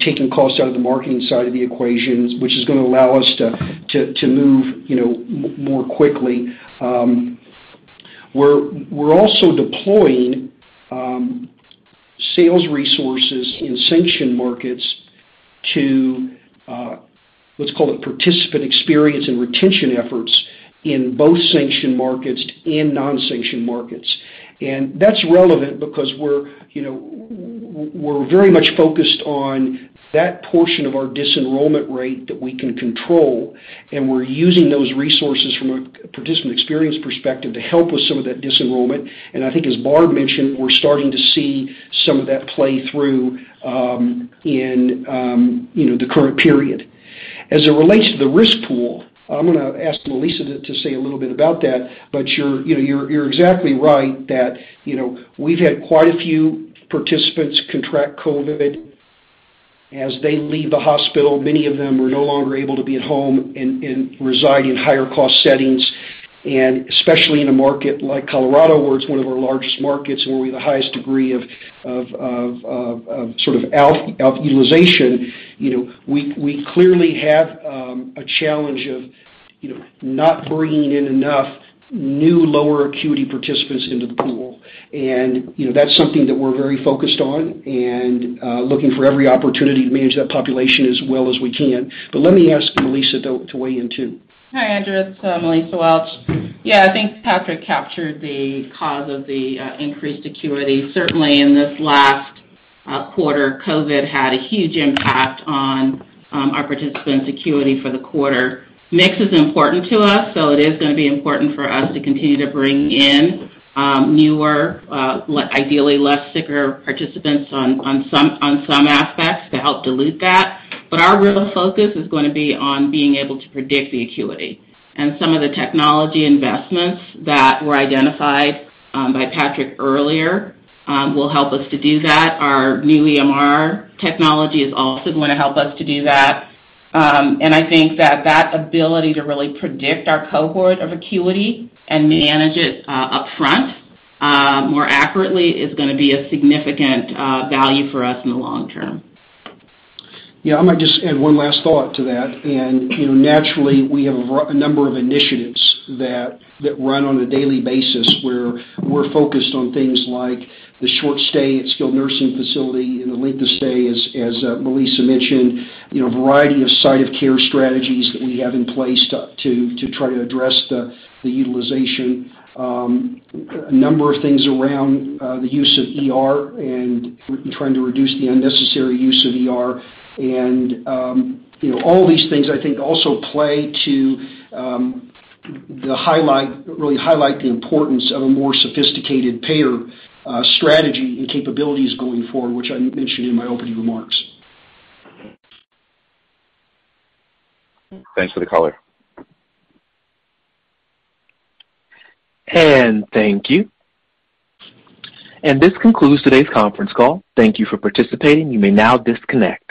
taken costs out of the marketing side of the equations, which is going allow us to move, you know, more quickly. We're also deploying sales resources in sanctioned markets to, let's call it, participant experience and retention efforts in both sanctioned markets and non-sanctioned markets. That's relevant because we're, you know, very much focused on that portion of our disenrollment rate that we can control, and we're using those resources from a participant experience perspective to help with some of that disenrollment. I think as Barb mentioned, we're starting to see some of that play out in, you know, the current period. As it relates to the risk pool, I'm going to ask Melissa to say a little bit about that, but you're, you know, exactly right that, you know, we've had quite a few participants contract COVID. As they leave the hospital, many of them were no longer able to be at home and reside in higher cost settings. Especially in a market like Colorado, where it's one of our largest markets and where we have the highest degree of sort of over-utilization, you know, we clearly have a challenge of, you know, not bringing in enough new lower acuity participants into the pool. You know, that's something that we're very focused on and looking for every opportunity to manage that population as well as we can. Let me ask Melissa, though, to weigh in too. Hi, Andrew. It's Melissa Welch. Yeah, I think Patrick captured the cause of the increased acuity. Certainly in this last quarter, COVID had a huge impact on our participants' acuity for the quarter. Mix is important to us, so it is going be important for us to continue to bring in newer, ideally less sicker participants on some aspects to help dilute that. But our real focus is going be on being able to predict the acuity. Some of the technology investments that were identified by Patrick earlier will help us to do that. Our new EMR technology is also going to help us to do that. I think that ability to really predict our cohort of acuity and manage it upfront more accurately is going be a significant value for us in the long term. Yeah. I'm going to just add one last thought to that. You know, naturally we have a number of initiatives that run on a daily basis, where we're focused on things like the short stay at skilled nursing facility and the length of stay, as Melissa mentioned. You know, a variety of site of care strategies that we have in place to try to address the utilization. A number of things around the use of ER and trying to reduce the unnecessary use of ER. You know, all these things I think also play to really highlight the importance of a more sophisticated payer strategy and capabilities going forward, which I mentioned in my opening remarks. Thanks for the colour. Thank you. This concludes today's conference call. Thank you for participating. You may now disconnect.